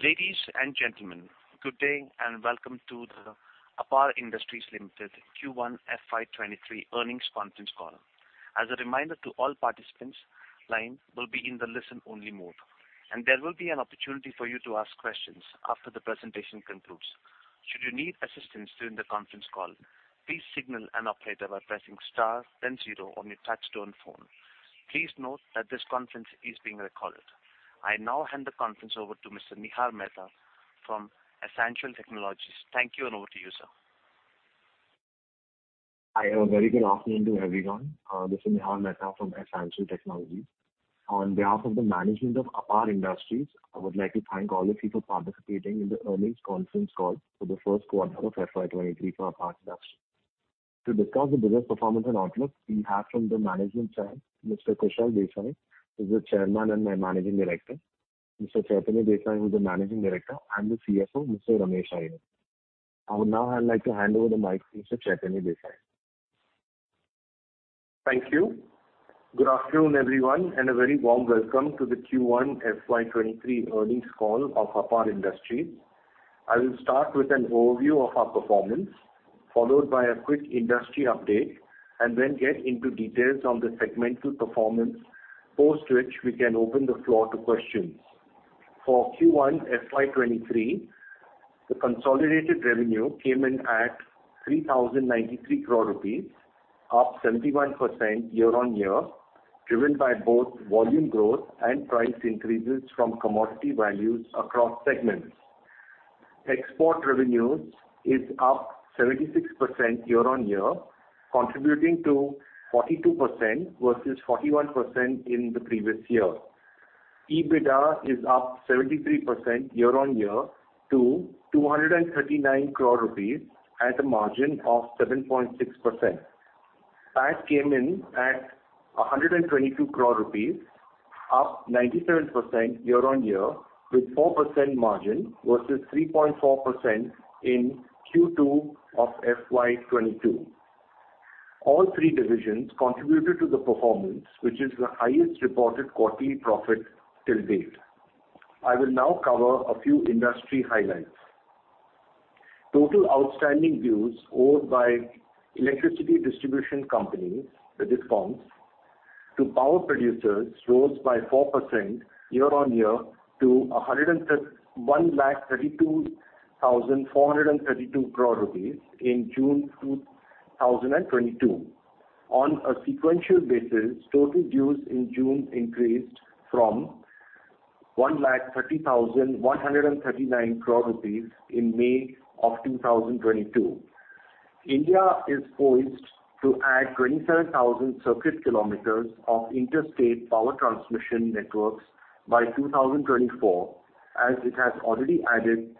Ladies and gentlemen, good day and welcome to the APAR Industries Limited Q1 FY 2023 earnings conference call. As a reminder to all participants, line will be in the listen-only mode, and there will be an opportunity for you to ask questions after the presentation concludes. Should you need assistance during the conference call, please signal an operator by pressing star then zero on your touch-tone phone. Please note that this conference is being recorded. I now hand the conference over to Mr. Nihar Mehta from Essential Technologies. Thank you, and over to you, sir. Hi, a very good afternoon to everyone. This is Nihar Mehta from Essential Technologies. On behalf of the management of APAR Industries, I would like to thank all of you for participating in the earnings conference call for the first quarter of FY 2023 for APAR Industries. To discuss the business performance and outlook, we have from the management side, Mr. Kushal Desai, who's the Chairman and Managing Director. Mr. Chaitanya Desai, who's the Managing Director, and the CFO, Mr. Ramesh Iyer. I would now like to hand over the mic to Mr. Chaitanya Desai. Thank you. Good afternoon, everyone, and a very warm welcome to the Q1 FY 2023 earnings call of APAR Industries. I will start with an overview of our performance, followed by a quick industry update, and then get into details on the segmental performance, post which we can open the floor to questions. For Q1 FY 2023, the consolidated revenue came in at 3,093 crore rupees, up 71% year-on-year, driven by both volume growth and price increases from commodity values across segments. Export revenue is up 76% year-on-year, contributing to 42% versus 41% in the previous year. EBITDA is up 73% year-on-year to 239 crore rupees at a margin of 7.6%. PAT came in at 122 crore rupees, up 97% year-on-year with 4% margin versus 3.4% in Q2 of FY 2022. All three divisions contributed to the performance, which is the highest reported quarterly profit till date. I will now cover a few industry highlights. Total outstanding dues owed by electricity distribution companies, the DISCOMs, to power producers rose by 4% year-on-year to 132,432 crore rupees in June 2022. On a sequential basis, total dues in June increased from 130,139 crore rupees in May 2022. India is poised to add 27,000 circuit kilometers of interstate power transmission networks by 2024, as it has already added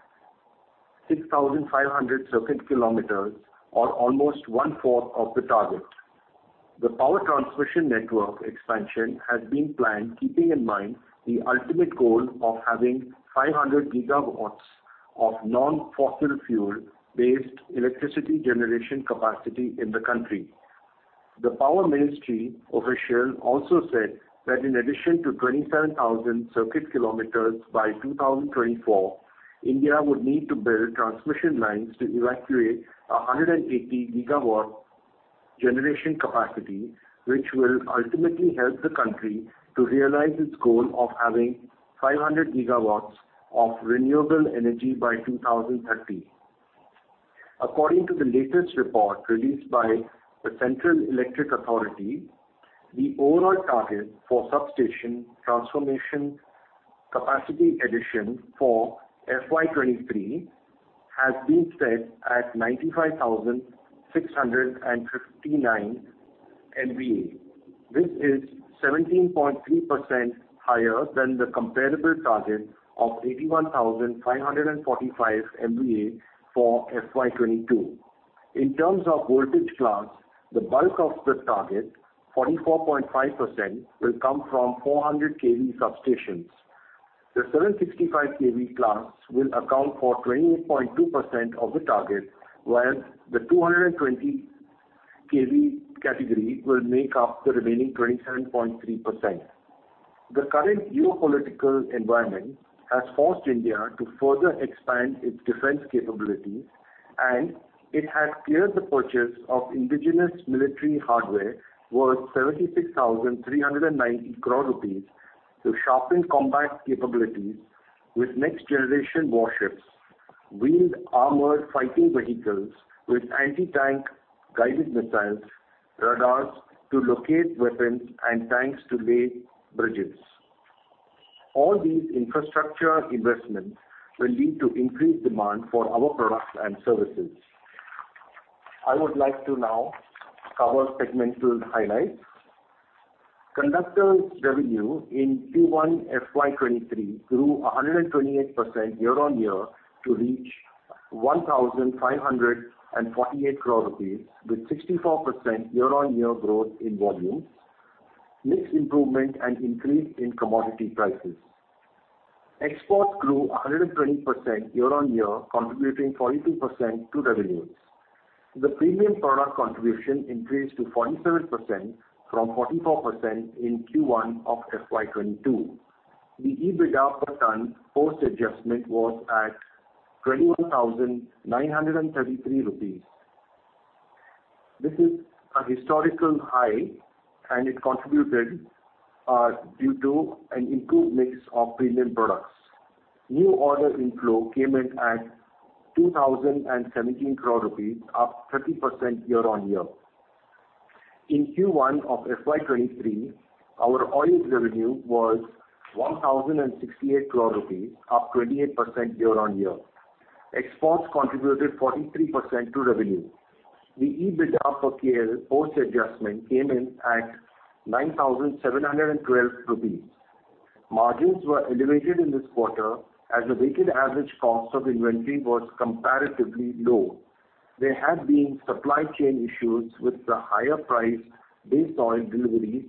6,500 circuit kilometers or almost one-fourth of the target. The power transmission network expansion has been planned keeping in mind the ultimate goal of having 500 GW of non-fossil fuel-based electricity generation capacity in the country. The power ministry official also said that in addition to 27,000 circuit kilometers by 2024, India would need to build transmission lines to evacuate 180 GW generation capacity, which will ultimately help the country to realize its goal of having 500 GW of renewable energy by 2030. According to the latest report released by the Central Electricity Authority, the overall target for substation transformation capacity addition for FY 2023 has been set at 95,659 MVA. This is 17.3% higher than the comparable target of 81,545 MVA for FY 2022. In terms of voltage class, the bulk of this target, 44.5%, will come from 400 kV substations. The 765 kV class will account for 28.2% of the target, whereas the 220 kV category will make up the remaining 27.3%. The current geopolitical environment has forced India to further expand its defense capabilities, and it has cleared the purchase of indigenous military hardware worth 76,390 crore rupees to sharpen combat capabilities with next-generation warships, wheeled armored fighting vehicles with anti-tank guided missiles, radars to locate weapons, and tanks to lay bridges. All these infrastructure investments will lead to increased demand for our products and services. I would like to now cover segmental highlights. Conductors revenue in Q1 FY 2023 grew 128% year-on-year to reach 1,548 crore rupees with 64% year-on-year growth in volumes, mix improvement and increase in commodity prices. Exports grew 120% year-on-year, contributing 42% to revenues. The premium product contribution increased to 47% from 44% in Q1 of FY 2022. The EBITDA per ton post adjustment was at 21,933 rupees. This is a historical high, and it contributed due to an improved mix of premium products. New order inflow came in at 2,017 crore rupees, up 30% year-on-year. In Q1 of FY 2023, our oils revenue was 1,068 crore rupees, up 28% year-on-year. Exports contributed 43% to revenue. The EBITDA per KL post adjustment came in at 9,712 rupees. Margins were elevated in this quarter as the weighted average cost of inventory was comparatively low. There had been supply chain issues with the higher price-based oil deliveries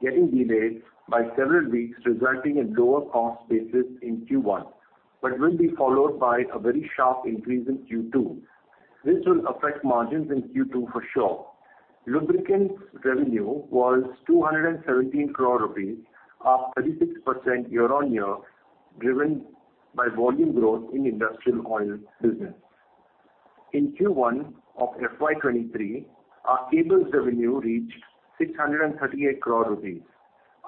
getting delayed by several weeks, resulting in lower cost basis in Q1, but will be followed by a very sharp increase in Q2. This will affect margins in Q2 for sure. Lubricants revenue was 217 crore rupees, up 36% year-on-year, driven by volume growth in industrial oil business. In Q1 of FY 2023, our cables revenue reached 638 crore rupees,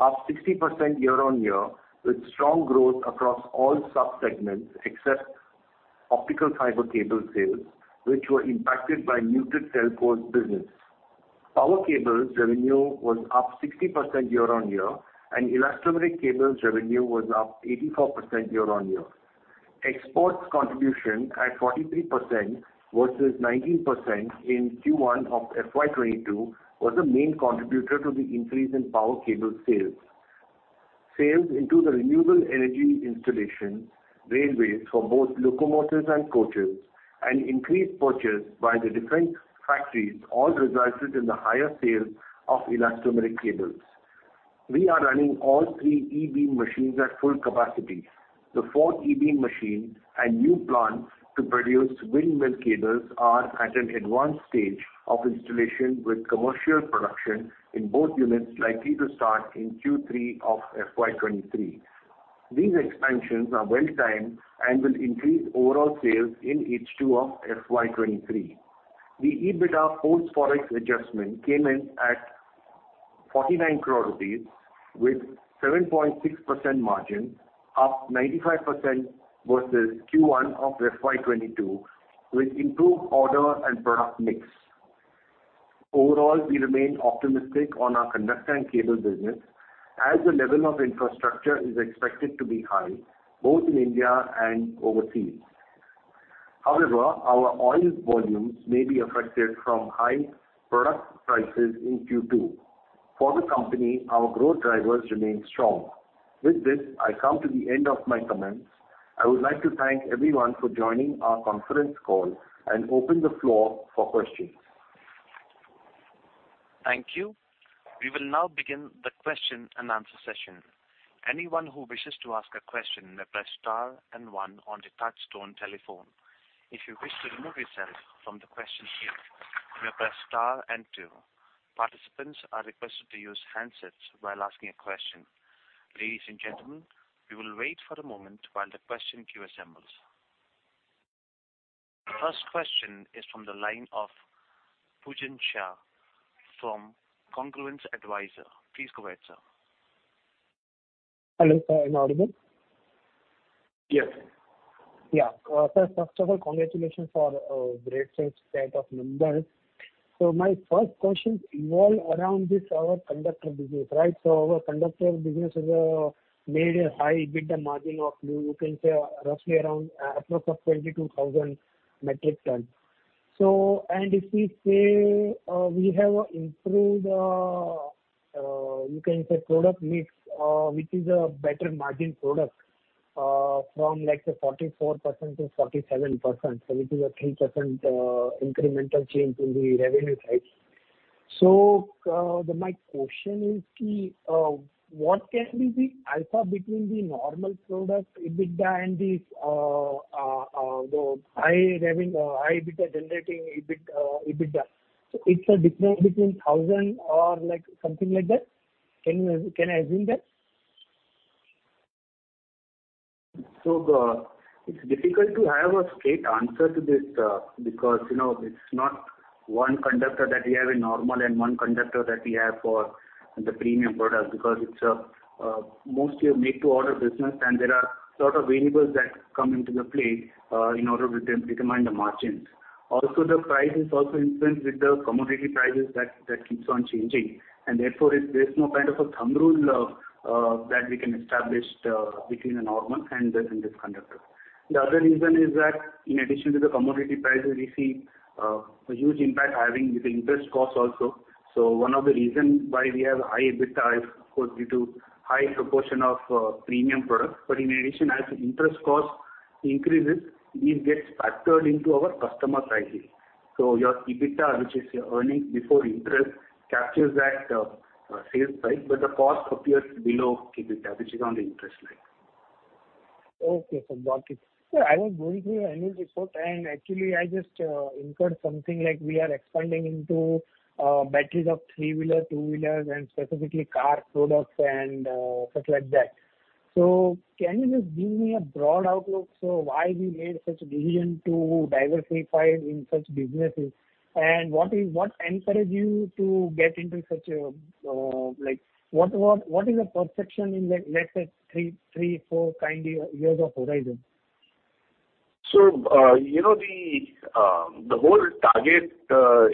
up 60% year-on-year with strong growth across all sub-segments except optical fiber cable sales, which were impacted by muted telcos business. Power cables revenue was up 60% year-on-year, and elastomeric cables revenue was up 84% year-on-year. Exports contribution at 43% versus 19% in Q1 of FY 2022 was the main contributor to the increase in power cable sales. Sales into the renewable energy installation, railways for both locomotives and coaches, and increased purchase by the defense factories all resulted in the higher sale of elastomeric cables. We are running all three E-beam machines at full capacity. The fourth E-beam machine and new plant to produce windmill cables are at an advanced stage of installation, with commercial production in both units likely to start in Q3 of FY 2023. These expansions are well timed and will increase overall sales in H2 of FY 2023. The EBITDA post Forex adjustment came in at 49 crore rupees with 7.6% margin, up 95% versus Q1 of FY 2022, with improved order and product mix. Overall, we remain optimistic on our conductor and cable business as the level of infrastructure is expected to be high both in India and overseas. However, our oils volumes may be affected from high product prices in Q2. For the company, our growth drivers remain strong. With this, I come to the end of my comments. I would like to thank everyone for joining our conference call and open the floor for questions. Thank you. We will now begin the question and answer session. Anyone who wishes to ask a question may press star and one on the touchtone telephone. If you wish to remove yourself from the question queue, you may press star and two. Participants are requested to use handsets while asking a question. Ladies and gentlemen, we will wait for a moment while the question queue assembles. First question is from the line of Poojan Shah from Congruence Advisors. Please go ahead, sir. Hello, sir. I'm audible? Yes. Yeah. Sir, first of all, congratulations for great set of numbers. My first question revolve around this, our conductor business, right? Our conductor business has made a high EBITDA margin of, you can say roughly around close to 22,000 metric ton. If we say, we have improved, you can say product mix, which is a better margin product, from like say 44% to 47%, so which is a 3% incremental change in the revenue side. My question is key, what can be the alpha between the normal product EBITDA and the high EBITDA generating EBITDA? It's a difference between thousand or like something like that? Can I assume that? It's difficult to have a straight answer to this, because, you know, it's not one conductor that we have in normal and one conductor that we have for the premium product because it's mostly a make-to-order business, and there are a lot of variables that come into play in order to determine the margins. Also, the price is also influenced with the commodity prices that keeps on changing, and therefore, there's no kind of a thumb rule that we can establish between the normal and this conductor. The other reason is that in addition to the commodity prices, we see a huge impact from the interest costs also. One of the reason why we have high EBITDA is of course due to high proportion of premium products. In addition, as interest costs increases, it gets factored into our customer pricing. Your EBITDA, which is your earnings before interest, captures that sales price, but the cost appears below EBITDA, which is on the interest line. Okay, sir, got it. Sir, I was going through your annual report, and actually I just noticed something like we are expanding into batteries for three-wheeler, two-wheelers, and specifically car products and such like that. Can you just give me a broad outlook on why we made such a decision to diversify in such businesses? What encouraged you to get into such a business, like what is the perception in, let's say, 3-4 kind of years horizon? You know, the whole target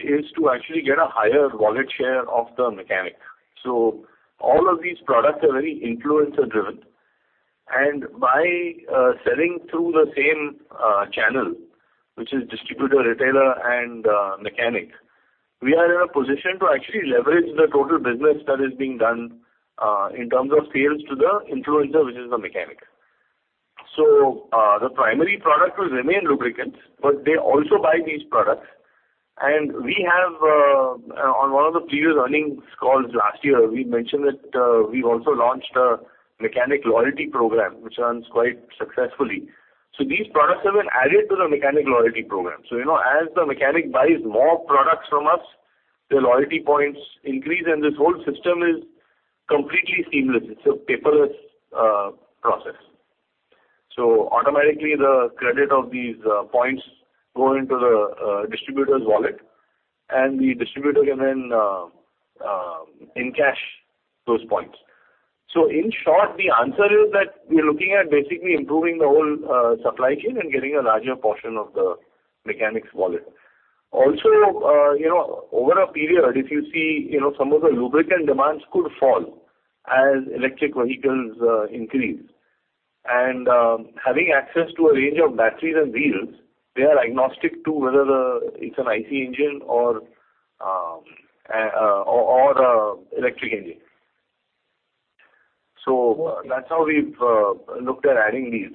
is to actually get a higher wallet share of the mechanic. All of these products are very influencer driven. By selling through the same channel, which is distributor, retailer and mechanic, we are in a position to actually leverage the total business that is being done in terms of sales to the influencer, which is the mechanic. The primary product will remain lubricants, but they also buy these products. We have on one of the previous earnings calls last year, we mentioned that we also launched a mechanic loyalty program which runs quite successfully. These products have been added to the mechanic loyalty program. You know, as the mechanic buys more products from us, their loyalty points increase, and this whole system is completely seamless. It's a paperless process. Automatically the credit of these points go into the distributor's wallet, and the distributor can then encash those points. In short, the answer is that we're looking at basically improving the whole supply chain and getting a larger portion of the mechanic's wallet. Also, you know, over a period, if you see, you know, some of the lubricant demands could fall as electric vehicles increase. Having access to a range of batteries and wheels, they are agnostic to whether it's an IC engine or a electric engine. That's how we've looked at adding these.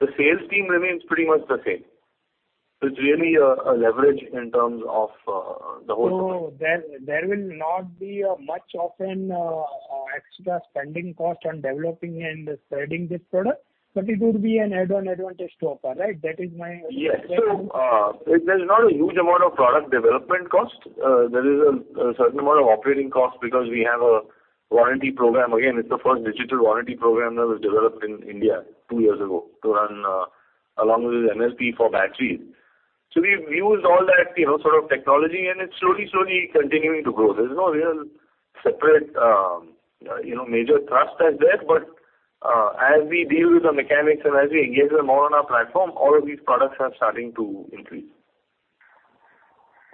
The sales team remains pretty much the same. It's really a leverage in terms of the whole thing. There will not be much of an extra spending cost on developing and selling this product, but it would be an add-on advantage to offer, right? That is my- Yes. There's not a huge amount of product development cost. There is a certain amount of operating cost because we have a warranty program. Again, it's the first digital warranty program that was developed in India two years ago to run along with MRP for batteries. We've used all that, you know, sort of technology and it's slowly continuing to grow. There's no real separate, you know, major thrust as yet, but as we deal with the mechanics and as we engage them more on our platform, all of these products are starting to increase.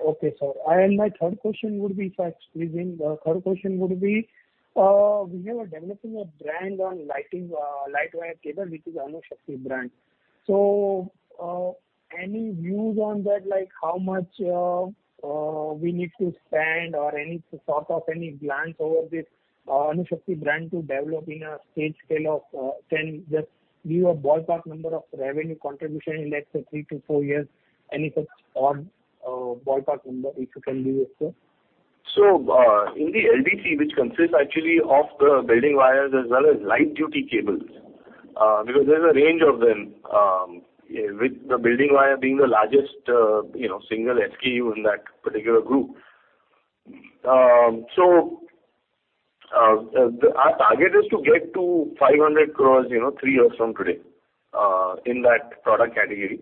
Okay, sir. My third question would be, if I squeeze in, we are developing a brand on lighting, light wire cable, which is Anushakti brand. So, any views on that, like how much we need to spend or any sort of glance over this Anushakti brand to develop in a stage scale of, can just give a ballpark number of revenue contribution in, let's say, 3 to 4 years, any such odd ballpark number, if you can give, sir. In the LDC, which consists actually of the building wires as well as light duty cables, because there's a range of them, with the building wire being the largest, you know, single SKU in that particular group. Our target is to get to 500 crore, you know, three years from today, in that product category.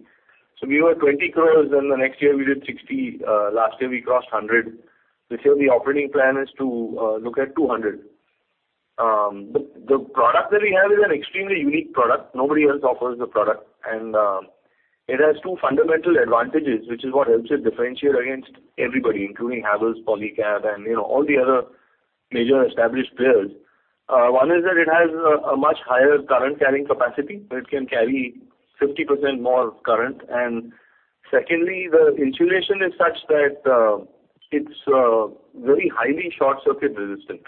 We were 20 crore, then the next year we did 60 crore, last year we crossed 100 crore. This year the operating plan is to look at 200 crore. The product that we have is an extremely unique product. Nobody else offers the product. It has two fundamental advantages, which is what helps it differentiate against everybody, including Havells, Polycab, and you know, all the other major established players. One is that it has a much higher current carrying capacity. It can carry 50% more current. Secondly, the insulation is such that it's very highly short circuit resistant.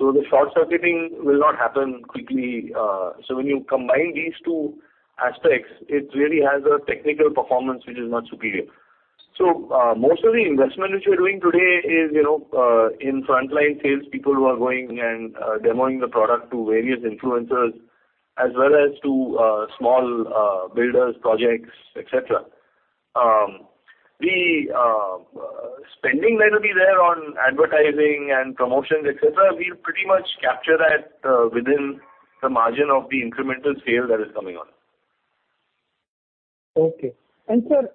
The short circuiting will not happen quickly. When you combine these two aspects, it really has a technical performance which is much superior. Most of the investment which we're doing today is, you know, in frontline sales people who are going and demoing the product to various influencers as well as to small builders, projects, et cetera. The spending that will be there on advertising and promotions, et cetera, we'll pretty much capture that within the margin of the incremental scale that is coming on. Sir,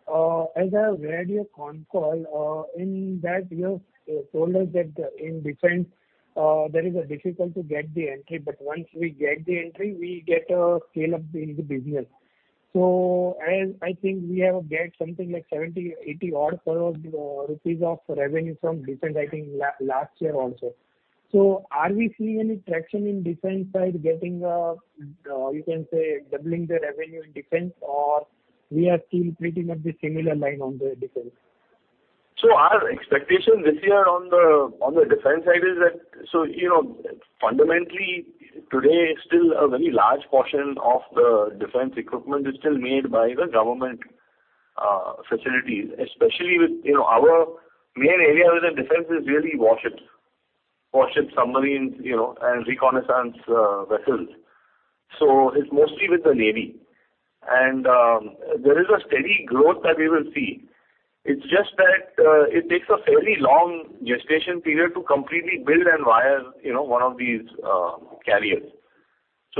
as I read your call, in that you have told us that in defense, there is a difficult to get the entry, but once we get the entry, we get a scale up in the business. As I think we have get something like 70-80 crore rupees of revenue from defense, I think last year also. Are we seeing any traction in defense side getting, you can say, doubling the revenue in defense or we are still pretty much the similar line on the defense? Our expectation this year on the defense side is that you know, fundamentally today still a very large portion of the defense equipment is still made by the government facilities, especially with, you know, our main area within defense is really warships submarines, you know, and reconnaissance vessels. It's mostly with the Navy. There is a steady growth that we will see. It's just that it takes a fairly long gestation period to completely build and wire, you know, one of these carriers.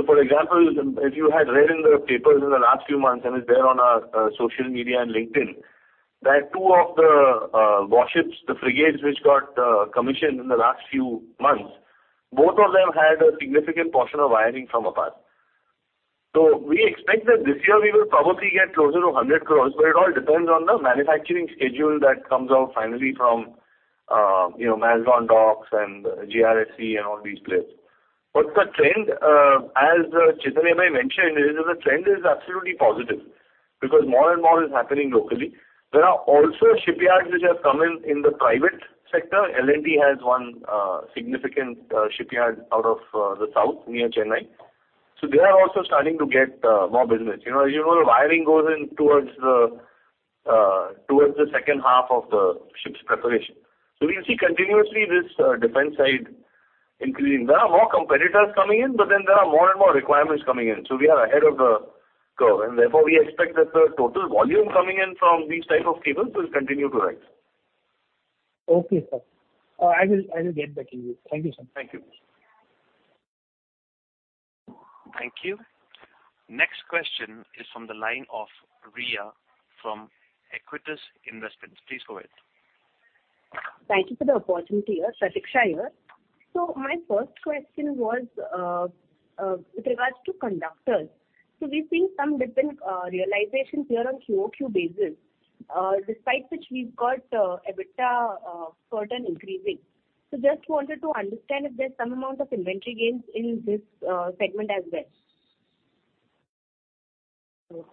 For example, if you had read in the papers in the last few months, and it's there on our social media and LinkedIn, that two of the warships, the frigates which got commissioned in the last few months, both of them had a significant portion of wiring from APAR. We expect that this year we will probably get closer to 100 crore, but it all depends on the manufacturing schedule that comes out finally from, you know, Mazagon Dock and GRSE and all these players. The trend, as Chaitanya Desai mentioned, is that the trend is absolutely positive because more and more is happening locally. There are also shipyards which have come in the private sector. L&T has one, significant, shipyard out of the south near Chennai. They are also starting to get more business. You know, usually the wiring goes in towards the second half of the ship's preparation. We will see continuously this defense side increasing. There are more competitors coming in, but then there are more and more requirements coming in. We are ahead of the curve, and therefore we expect that the total volume coming in from these type of cables will continue to rise. Okay, sir. I will get back to you. Thank you, sir. Thank you. Thank you. Next question is from the line of Riya from Aequitas Investments. Please go ahead. Thank you for the opportunity here. Pratiksha here. My first question was with regards to conductors. We've seen some different realizations here on QoQ basis, despite which we've got EBITDA certainly increasing. Just wanted to understand if there's some amount of inventory gains in this segment as well.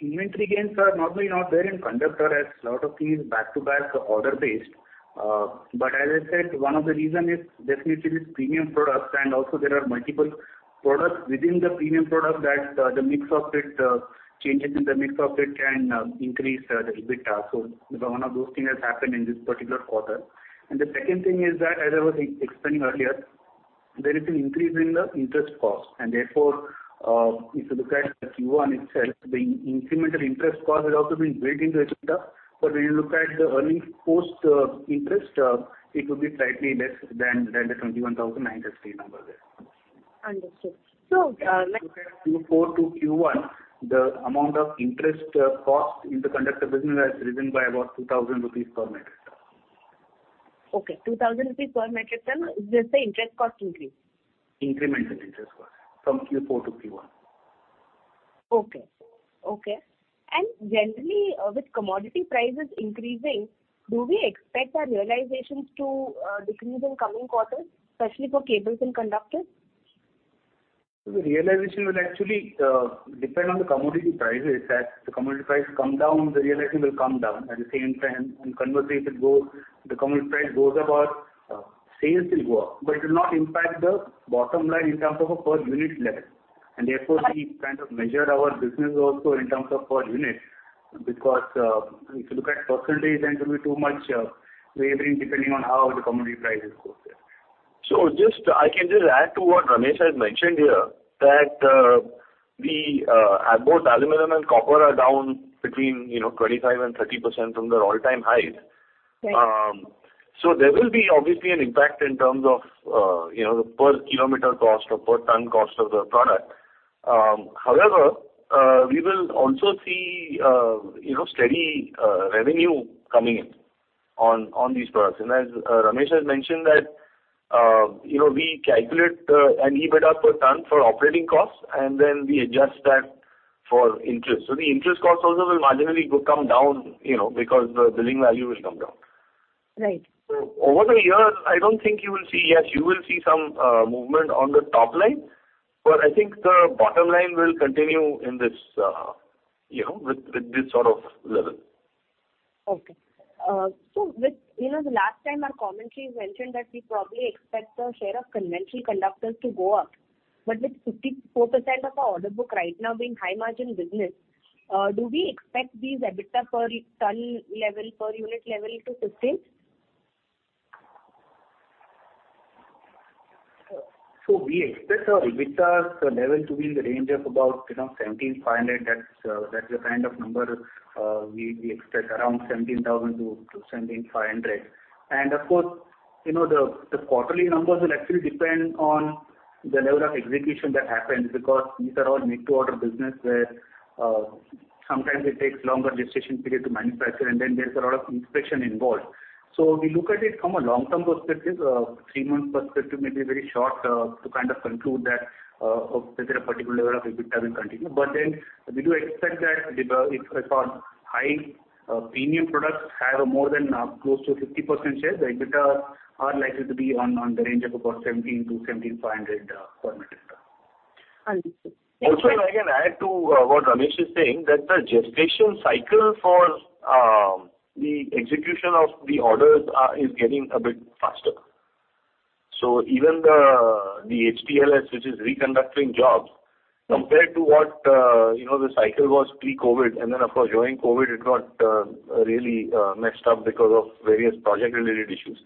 Inventory gains are normally not there in conductor as a lot of these back-to-back are order-based. As I said, one of the reason is definitely its premium products and also there are multiple products within the premium product that, the mix of it, changes in the mix of it can increase a little bit. One of those things has happened in this particular quarter. The second thing is that, as I was explaining earlier, there has been increase in the interest cost. Therefore, if you look at the Q1 itself, the incremental interest cost has also been built into EBITDA. When you look at the earnings post interest, it will be slightly less than the 21,960 number there. Understood. If you look at Q4 to Q1, the amount of interest cost in the conductor business has risen by about 2,000 rupees per metric ton. Okay. 2,000 rupees per metric ton is just the interest cost increase? Incremental interest cost from Q4 to Q1. Okay. Generally, with commodity prices increasing, do we expect our realizations to decrease in coming quarters, especially for cables and conductors? The realization will actually depend on the commodity prices, that the commodity price come down, the realization will come down at the same time. Conversely, if the commodity price goes up, our sales will go up, but it will not impact the bottom line in terms of a per unit level. Therefore we kind of measure our business also in terms of per unit, because if you look at percentage, then it will be too much varying depending on how the commodity prices go there. Just I can just add to what Ramesh has mentioned here, that the both aluminum and copper are down between, you know, 25%-30% from their all-time highs. Right. There will be obviously an impact in terms of, you know, the per kilometer cost or per ton cost of the product. However, we will also see, you know, steady revenue coming in on these products. As Ramesh has mentioned that, you know, we calculate an EBITDA per ton for operating costs, and then we adjust that for interest. The interest costs also will marginally come down, you know, because the billing value will come down. Right. Over the years, I don't think you will see. Yes, you will see some movement on the top line, but I think the bottom line will continue in this, you know, with this sort of level. With you know, the last time our commentary mentioned that we probably expect the share of conventional conductors to go up, but with 54% of our order book right now being high margin business, do we expect these EBITDA per ton level, per unit level to sustain? We expect our EBITDA level to be in the range of about, you know, 17,500. That's, that's the kind of number, we expect around 17,000-17,500. Of course, you know, the quarterly numbers will actually depend on the level of execution that happens because these are all make-to-order business, where sometimes it takes longer gestation period to manufacture, and then there's a lot of inspection involved. We look at it from a long-term perspective. Three-month perspective may be very short to kind of conclude that whether a particular level of EBITDA will continue. We do expect that if our high premium products have more than close to 50% share, the EBITDA are likely to be on the range of about 1,700-1,750 per metric ton. Understood. Also, if I can add to what Ramesh is saying, that the gestation cycle for the execution of the orders is getting a bit faster. Even the HTLS, which is reconductoring jobs compared to what, you know, the cycle was pre-COVID, and then, of course, during COVID it got really messed up because of various project-related issues.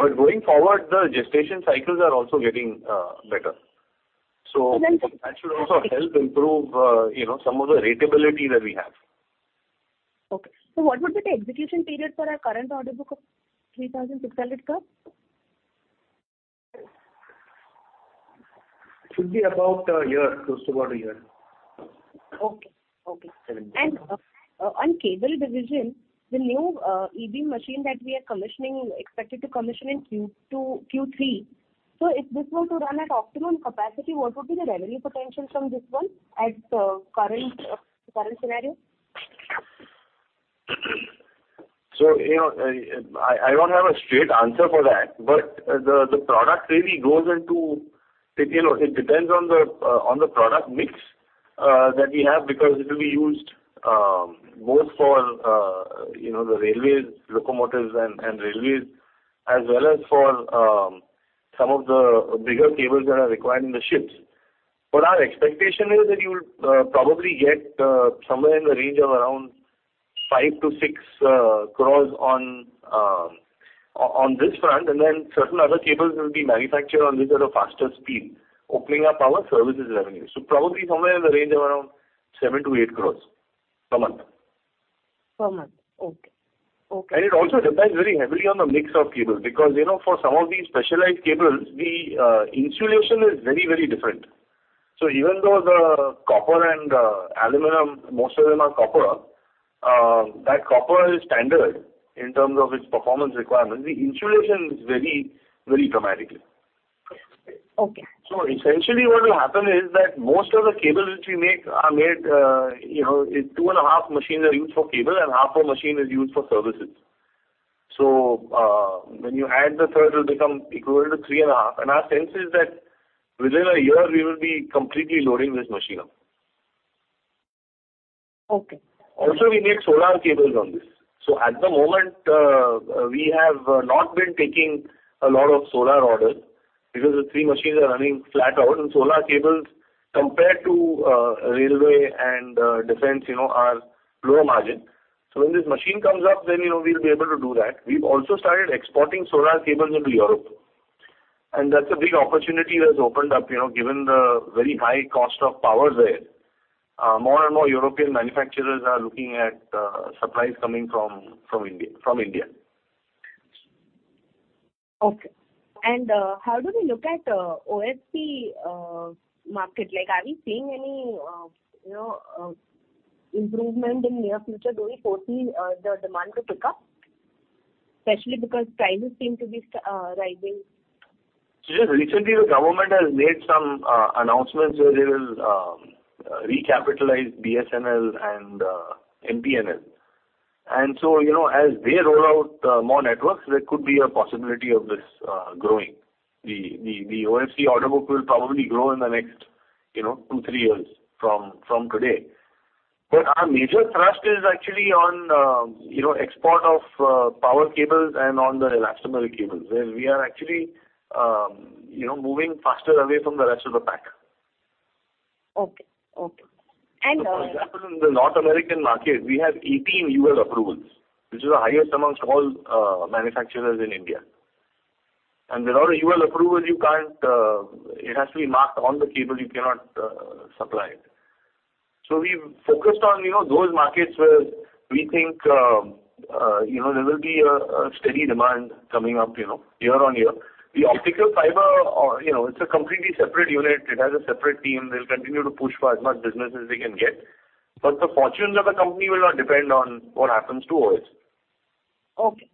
Going forward, the gestation cycles are also getting better. And then- that should also help improve, you know, some of the ratability that we have. Okay. What would be the execution period for our current order book of 3,600 CR? It should be about a year, close to about a year. Okay. Seven. On cable division, the new EB machine that we are commissioning, expected to commission in Q3, so if this were to run at optimum capacity, what would be the revenue potential from this one at current scenario? You know, I don't have a straight answer for that. But the product really goes into You know, it depends on the product mix that we have because it will be used both for you know, the railways, locomotives and railways as well as for some of the bigger cables that are required in the ships. But our expectation is that you will probably get somewhere in the range of around 5-6 crores on this front and then certain other cables will be manufactured on this at a faster speed, opening up our services revenue. Probably somewhere in the range of around 7-8 crores per month. Per month. Okay. Okay. It also depends very heavily on the mix of cables because, you know, for some of these specialized cables, the insulation is very, very different. Even though the copper and aluminum, most of them are copper, that copper is standard in terms of its performance requirements. The insulation is very, very dramatic. Okay. Essentially what will happen is that most of the cables which we make are made. 2.5 machines are used for cable and 0.5 machine is used for services. When you add the third will become equivalent to 3.5. Our sense is that within a year we will be completely loading this machine up. Okay. Also we make solar cables on this. At the moment, we have not been taking a lot of solar orders because the three machines are running flat out, and solar cables compared to railway and defense, you know, are lower margin. When this machine comes up then, you know, we'll be able to do that. We've also started exporting solar cables into Europe, and that's a big opportunity that's opened up, you know, given the very high cost of power there. More and more European manufacturers are looking at supplies coming from India. How do we look at OFC market? Like, are we seeing any, you know, improvement in near future? Do we foresee the demand to pick up, especially because prices seem to be rising? Yes, recently the government has made some announcements where they will recapitalize BSNL and MTNL. You know, as they roll out more networks, there could be a possibility of this growing. The OFC order book will probably grow in the next, you know, two, three years from today. But our major thrust is actually on, you know, export of power cables and on the elastomeric cables, where we are actually, you know, moving faster away from the rest of the pack. Okay. For example, in the North American market we have 18 UL approvals, which is the highest among all manufacturers in India. Without a UL approval it has to be marked on the cable. You cannot supply it. We've focused on, you know, those markets where we think, you know, there will be a steady demand coming up, you know, year-on-year. The optical fiber, you know, it's a completely separate unit. It has a separate team. They'll continue to push for as much business as they can get. The fortunes of the company will not depend on what happens to OFC. Okay.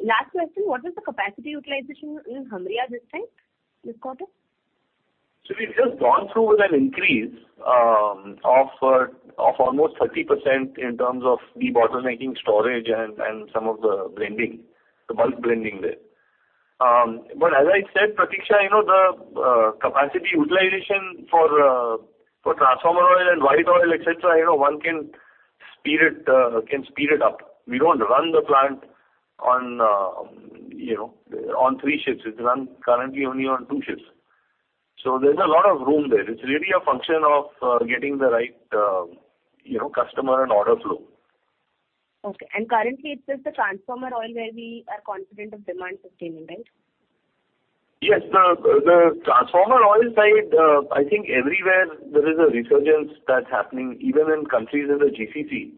Last question. What is the capacity utilization in Hamriyah this time, this quarter? We've just gone through with an increase of almost 30% in terms of the bottlenecking storage and some of the blending, the bulk blending there. As I said, Pratiksha, you know, the capacity utilization for transformer oil and white oil, et cetera, you know, one can speed it up. We don't run the plant on three shifts. It's run currently only on two shifts. There's a lot of room there. It's really a function of getting the right customer and order flow. Okay. Currently it's just the transformer oil where we are confident of demand sustaining, right? Yes. The transformer oil side, I think everywhere there is a resurgence that's happening even in countries in the GCC,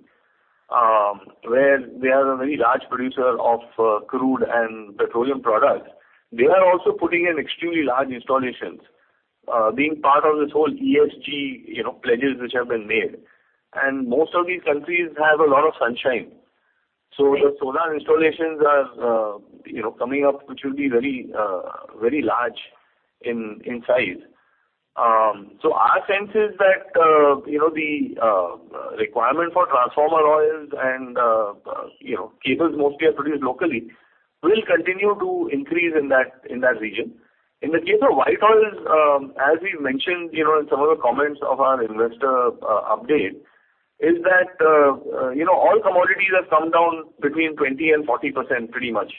where they are a very large producer of crude and petroleum products. They are also putting in extremely large installations, being part of this whole ESG, you know, pledges which have been made. Most of these countries have a lot of sunshine. Right. The solar installations are, you know, coming up, which will be very large in size. Our sense is that, you know, the requirement for transformer oils and, you know, cables mostly are produced locally will continue to increase in that region. In the case of white oils, as we mentioned, you know, in some of the comments of our investor update is that, you know, all commodities have come down between 20% and 40% pretty much.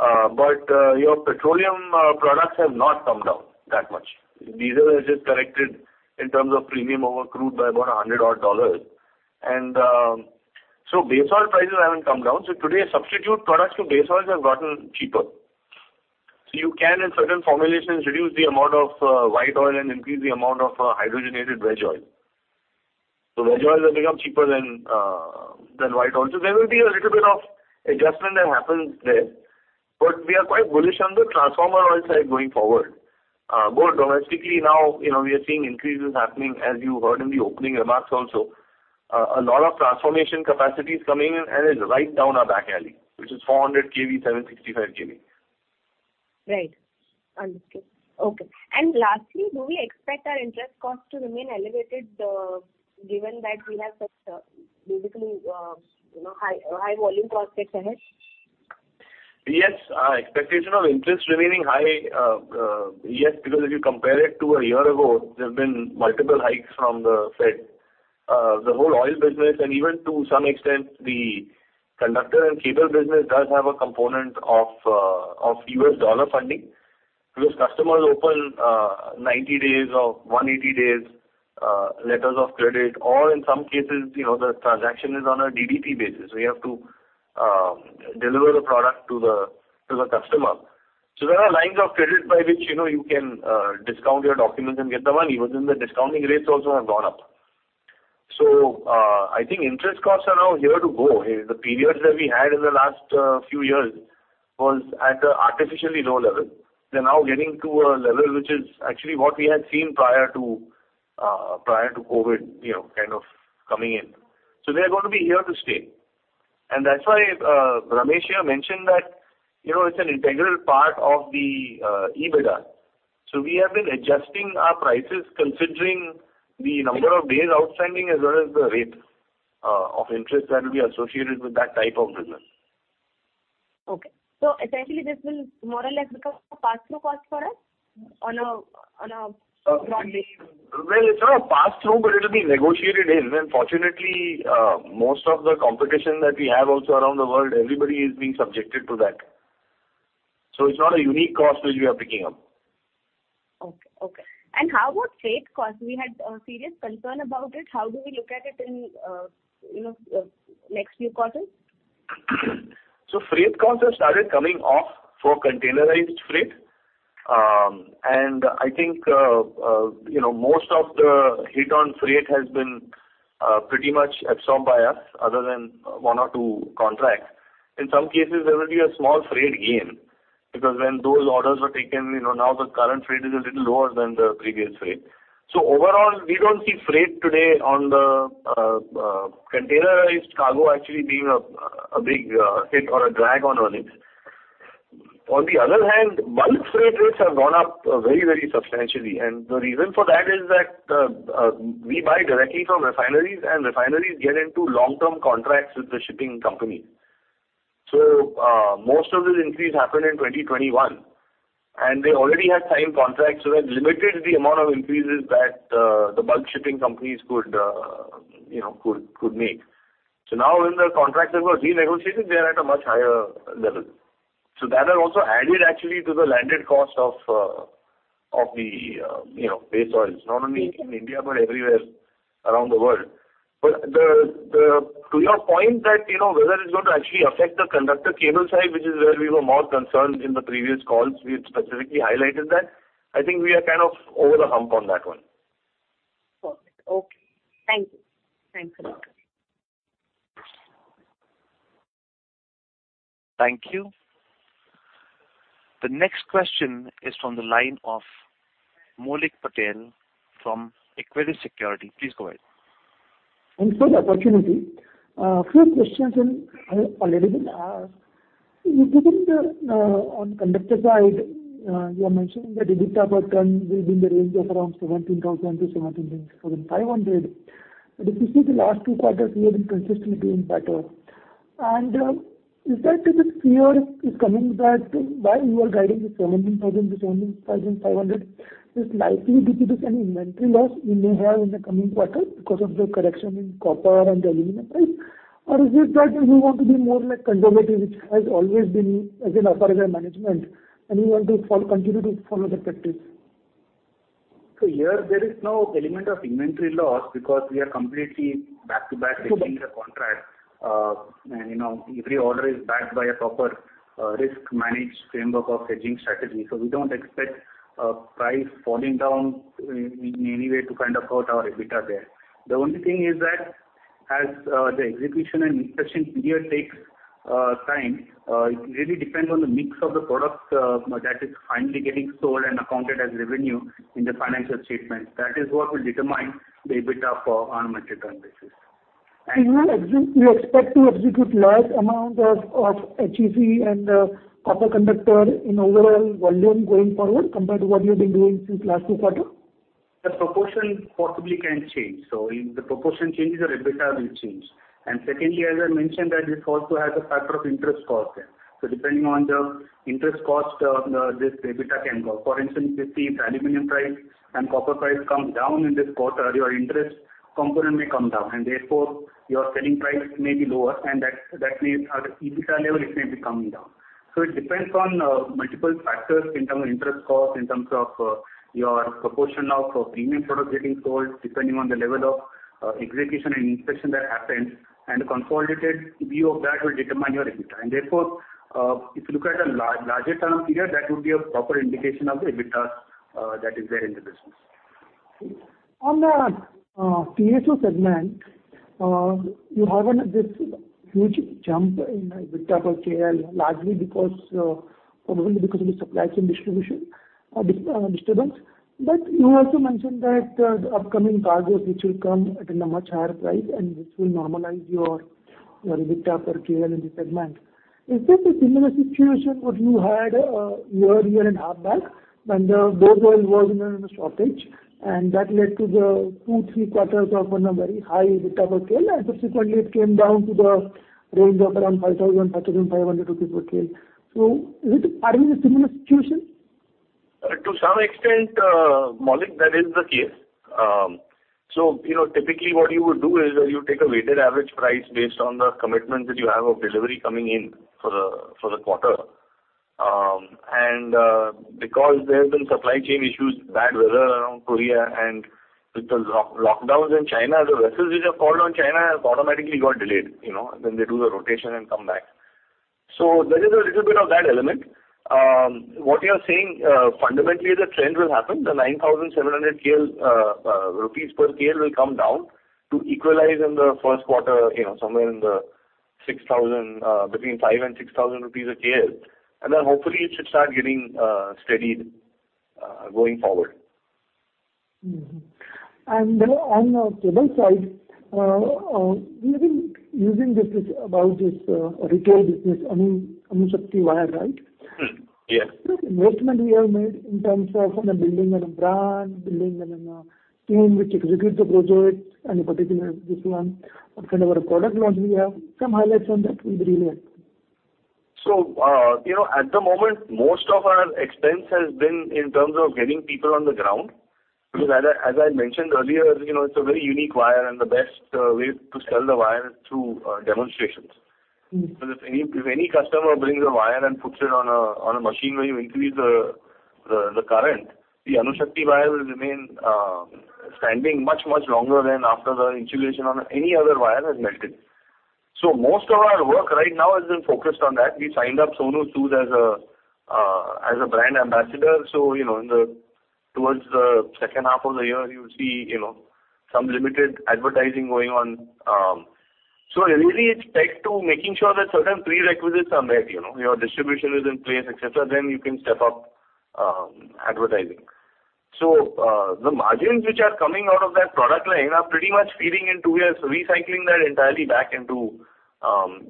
Your petroleum products have not come down that much. Diesel has just corrected in terms of premium over crude by about $100 odd. Base oil prices haven't come down. Today, substitute products to base oils have gotten cheaper. You can in certain formulations reduce the amount of white oil and increase the amount of hydrogenated veg oil. Veg oil has become cheaper than white oil. There will be a little bit of adjustment that happens there. We are quite bullish on the transformer oil side going forward. Both domestically now, you know, we are seeing increases happening, as you heard in the opening remarks also. A lot of transmission capacity is coming in and is right down our back alley, which is 400 kV, 765 kV. Right. Understood. Okay. Lastly, do we expect our interest cost to remain elevated, given that we have such, basically, you know, high volume prospects ahead? Yes. Expectation of interest remaining high, yes, because if you compare it to a year ago, there have been multiple hikes from the Fed. The whole oil business and even to some extent the conductor and cable business does have a component of U.S. dollar funding because customers open 90 days or 180 days letters of credit, or in some cases, you know, the transaction is on a DDP basis, where you have to deliver the product to the customer. There are lines of credit by which, you know, you can discount your documents and get the money, but then the discounting rates also have gone up. I think interest costs are now here to stay. The periods that we had in the last few years was at an artificially low level. They're now getting to a level which is actually what we had seen prior to COVID, you know, kind of coming in. They are gonna be here to stay. That's why Ramesh here mentioned that, you know, it's an integral part of the EBITDA. We have been adjusting our prices considering the number of days outstanding as well as the rate of interest that will be associated with that type of business. Essentially this will more or less become a pass-through cost for us on a monthly- Well, it's not a pass-through, but it'll be negotiated in. Fortunately, most of the competition that we have also around the world, everybody is being subjected to that. It's not a unique cost which we are picking up. Okay. How about freight costs? We had a serious concern about it. How do we look at it in, you know, next few quarters? Freight costs have started coming off for containerized freight. I think, you know, most of the hit on freight has been pretty much absorbed by us other than one or two contracts. In some cases, there will be a small freight gain because when those orders were taken, you know, now the current freight is a little lower than the previous freight. Overall, we don't see freight today on the containerized cargo actually being a big hit or a drag on earnings. On the other hand, bulk freight rates have gone up very, very substantially. The reason for that is that we buy directly from refineries, and refineries get into long-term contracts with the shipping companies. Most of this increase happened in 2021, and they already had signed contracts, so that limited the amount of increases that the bulk shipping companies could you know make. Now when the contracts are got renegotiated, they are at a much higher level. That has also added actually to the landed cost of you know base oils, not only in India but everywhere around the world. To your point that you know whether it's going to actually affect the conductor cable side, which is where we were more concerned in the previous calls, we had specifically highlighted that. I think we are kind of over the hump on that one. Perfect. Okay. Thank you. Thanks a lot. Thank you. The next question is from the line of Maulik Patel from Equirus Securities. Please go ahead. Thanks for the opportunity. A few questions have already been asked. You've given the guidance on the conductor side, you are mentioning that EBITDA per ton will be in the range of around 17,000-17,500. Especially the last two quarters we have been consistently doing better. Is that a bit of fear coming back why you are guiding the 17,000-17,500 is likely due to any inventory loss you may have in the coming quarter because of the correction in copper and aluminum prices? Or is it that you want to be more conservative, which has always been the case as far as our management and you want to continue to follow the practice? Here there is no element of inventory loss because we are completely back-to-back hedging the contract. You know, every order is backed by a proper, risk managed framework of hedging strategy. We don't expect price falling down in any way to kind of hurt our EBITDA there. The only thing is that as the execution and inspection period takes time, it really depends on the mix of the product that is finally getting sold and accounted as revenue in the financial statements. That is what will determine the EBITDA for on a multi-ton basis. You expect to execute large amounts of HTLS and copper conductor in overall volume going forward compared to what you've been doing since last two quarter? The proportion possibly can change. If the proportion changes, our EBITDA will change. Secondly, as I mentioned that this also has a factor of interest cost there. Depending on the interest cost, this EBITDA can go. For instance, if the aluminum price and copper price comes down in this quarter, your interest component may come down and therefore your selling price may be lower and that means at the EBITDA level it may be coming down. It depends on multiple factors in terms of interest cost, in terms of your proportion now for premium products getting sold, depending on the level of execution and inspection that happens, and the consolidated view of that will determine your EBITDA. If you look at a larger term period, that would be a proper indication of the EBITDA that is there in the business. On the CSO segment, you have this huge jump in EBITDA per KL, largely because probably because of the supply chain disruption. You also mentioned that the upcoming cargoes, which will come at a much higher price and which will normalize your EBITDA per KL in this segment. Is this a similar situation what you had a year and half back when the raw oil was in a shortage and that led to the 2, 3 quarters of on a very high EBITDA per KL, and subsequently it came down to the range of around 5,000-5,500 rupees per KL. Are we in a similar situation? To some extent, Maulik, that is the case. You know, typically what you would do is that you take a weighted average price based on the commitment that you have of delivery coming in for the quarter. Because there's been supply chain issues, bad weather around Korea and with the lockdowns in China, the vessels which have called on China has automatically got delayed, you know, then they do the rotation and come back. There is a little bit of that element. What you're saying, fundamentally the trend will happen. The 9,700 rupees per KL will come down to equalize in the first quarter, you know, somewhere in the 6,000, between 5,000-6,000 rupees per KL. Then hopefully it should start getting steadied going forward. On the cable side, we have been using this about this retail business, Anushakti wire, right? Yes. The investment we have made in terms of, you know, building a brand, building an team which executes the project, and in particular this one. What kind of a product launch we have? Some highlights on that will be really helpful. you know, at the moment, most of our expense has been in terms of getting people on the ground, because as I mentioned earlier, you know, it's a very unique wire, and the best way to sell the wire is through demonstrations. Mm-hmm. If any customer brings a wire and puts it on a machine where you increase the current, the Anushakti wire will remain standing much longer than after the insulation on any other wire has melted. Most of our work right now has been focused on that. We signed up Sonu Sood as a brand ambassador. You know, towards the second half of the year, you'll see, you know, some limited advertising going on. Really it's pegged to making sure that certain prerequisites are met, you know. Your distribution is in place, et cetera, then you can step up advertising. The margins which are coming out of that product line are pretty much feeding into, we are recycling that entirely back into,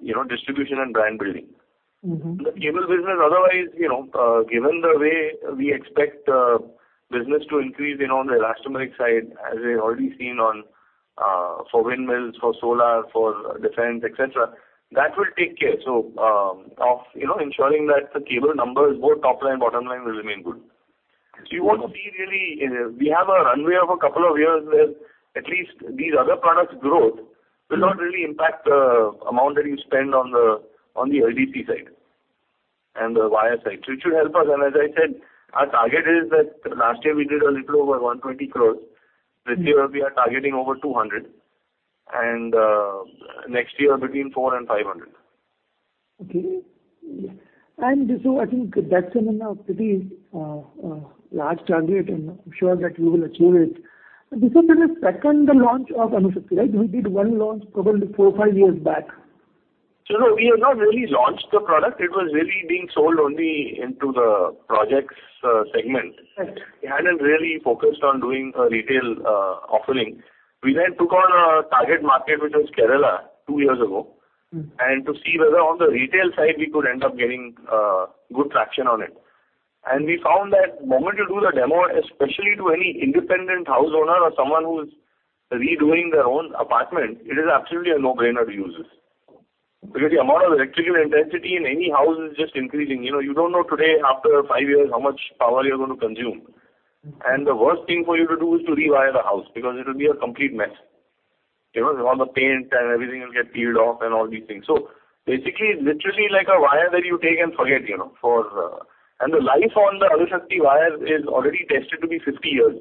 you know, distribution and brand building. Mm-hmm. The cable business otherwise, you know, given the way we expect business to increase, you know, on the elastomeric side, as we've already seen on for windmills, for solar, for defense, et cetera, that will take care of, you know, ensuring that the cable numbers, both top line, bottom line, will remain good. You won't see really we have a runway of a couple of years where at least these other products growth will not really impact the amount that you spend on the LDC side and the wire side. It should help us. As I said, our target is that last year we did a little over 120 crore. This year we are targeting over 200 crore, and next year between 400 crore and 500 crore. Okay. This, I think that's a pretty large target, and I'm sure that you will achieve it. This is the second launch of Anushakti, right? We did one launch probably 4-5 years back. No, we have not really launched the product. It was really being sold only into the projects segment. Right. We hadn't really focused on doing a retail offering. We then took on a target market, which was Kerala two years ago. Mm-hmm. To see whether on the retail side, we could end up getting good traction on it. We found that moment you do the demo, especially to any independent house owner or someone who is redoing their own apartment, it is absolutely a no-brainer to use this. Because the amount of electrical intensity in any house is just increasing. You know, you don't know today, after five years, how much power you're going to consume. The worst thing for you to do is to rewire the house because it will be a complete mess. You know, all the paint and everything will get peeled off and all these things. Basically, literally like a wire that you take and forget, you know, for. The life on the Anushakti wire is already tested to be 50 years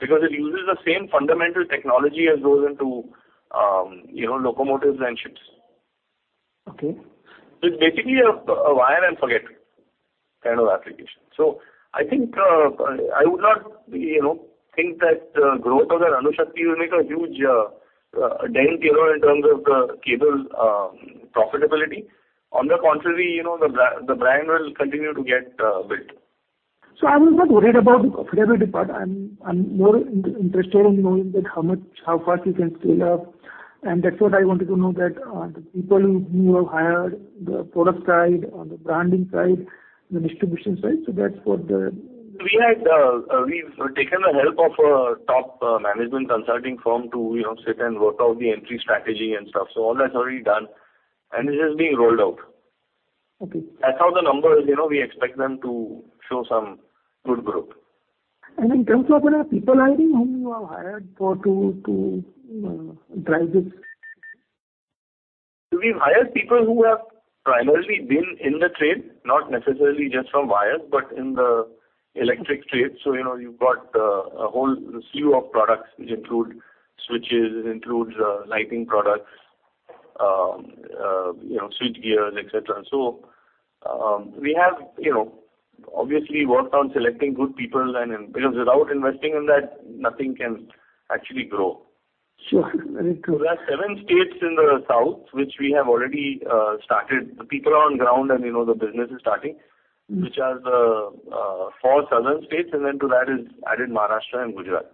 because it uses the same fundamental technology as goes into locomotives and ships. Okay. It's basically a wire and forget kind of application. I think I would not, you know, think that growth of the Anushakti will make a huge dent, you know, in terms of the cable's profitability. On the contrary, you know, the brand will continue to get built. I was not worried about the profitability part. I'm more interested in knowing that how much, how fast you can scale up. That's what I wanted to know that, the people who you have hired, the product side, on the branding side, the distribution side. We've taken the help of a top management consulting firm to, you know, sit and work out the entry strategy and stuff. All that's already done, and this is being rolled out. Okay. That's how the numbers, you know, we expect them to show some good growth. In terms of the people hiring, who you have hired to drive this? We've hired people who have primarily been in the trade, not necessarily just from wires, but in the electric trade. You know you've got a whole slew of products which include switches, lighting products, you know, switchgear, et cetera. We have, you know, obviously worked on selecting good people and, because without investing in that, nothing can actually grow. Sure. Very true. There are seven states in the south which we have already started. The people are on ground and, you know, the business is starting. Mm-hmm. Which are the four southern states, and then to that is added Maharashtra and Gujarat?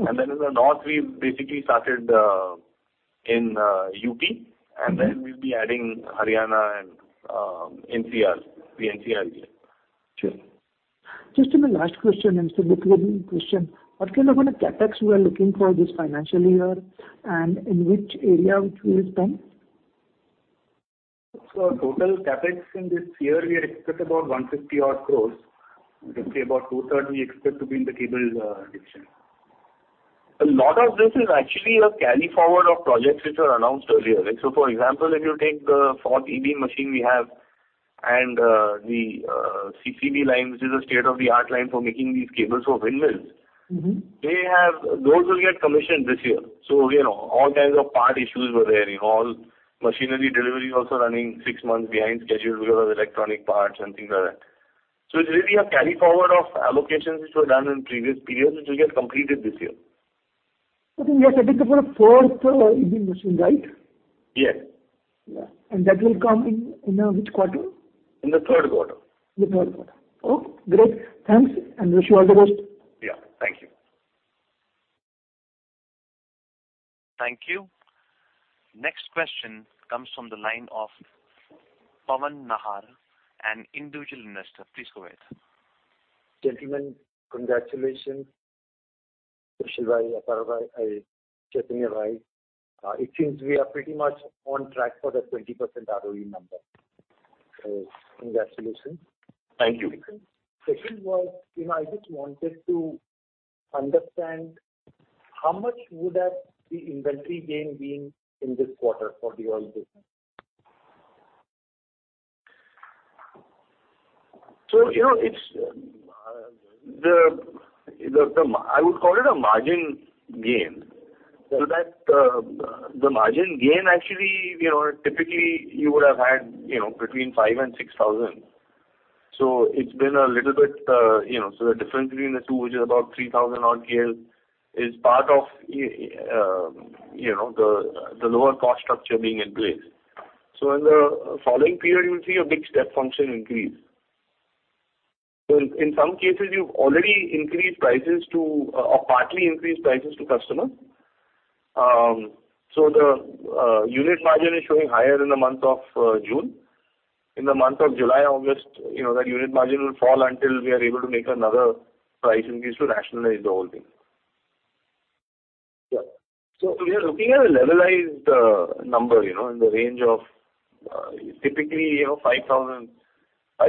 Mm-hmm. In the north, we've basically started in UP, and then we'll be adding Haryana and NCR. The NCR area. Sure. Just in the last question and it's a bit leading question. What kind of CapEx we are looking for this financial year, and in which area which we will spend? Total CapEx in this year, we expect about 150 odd crores. Roughly about 230 expect to be in the cable division. A lot of this is actually a carry-forward of projects which were announced earlier. Like so for example, if you take the fourth E-beam machine we have and the CCV line, which is a state-of-the-art line for making these cables for windmills. Mm-hmm. Those will get commissioned this year. You know, all kinds of part issues were there. You know, all machinery delivery also running six months behind schedule because of electronic parts and things like that. It's really a carry-forward of allocations which were done in previous periods, which will get completed this year. Okay. That is the fourth E-beam machine, right? Yes. Yeah. That will come in which quarter? In the third quarter. The third quarter. Okay. Great. Thanks and wish you all the best. Yeah. Thank you. Thank you. Next question comes from the line of Pawan Nahar, an individual investor. Please go ahead. Gentlemen, congratulations. Kushal Desai, Apar, Chaitanya Desai. It seems we are pretty much on track for the 20% ROE number. Congratulations. Thank you. Second was, you know, I just wanted to understand how much would have the inventory gain been in this quarter for the oil business? You know, it's I would call it a margin gain. Okay. That the margin gain actually, you know, typically you would have had, you know, between 5,000 and 6,000. It's been a little bit, you know, the difference between the two, which is about 3,000 odd KL, is part of, you know, the lower cost structure being in place. In the following period, you will see a big step function increase. In some cases, you've already increased prices to or partly increased prices to customers. The unit margin is showing higher in the month of June. In the month of July, August, you know, that unit margin will fall until we are able to make another price increase to rationalize the whole thing. Yeah. We are looking at a levelized number, you know, in the range of typically, you know,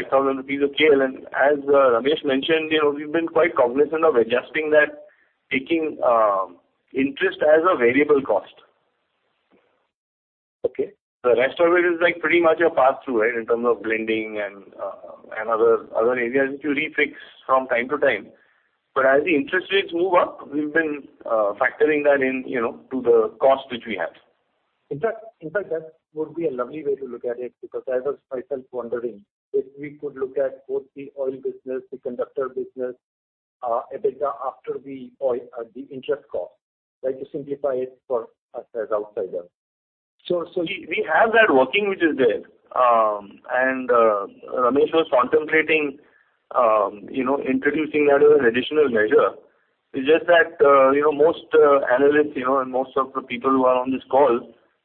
5,000 a KL. As Ramesh mentioned, you know, we've been quite cognizant of adjusting that, taking interest as a variable cost. Okay. The rest of it is like pretty much a pass-through, right, in terms of blending and other areas which you refix from time to time. As the interest rates move up, we've been factoring that in, you know, to the cost which we have. In fact, that would be a lovely way to look at it because I was myself wondering if we could look at both the oil business, the conductor business, EBITDA after the oil, the interest cost. Like to simplify it for us as outsiders. We have that working, which is there. Ramesh was contemplating, you know, introducing that as an additional measure. It's just that, you know, most analysts, you know, and most of the people who are on this call,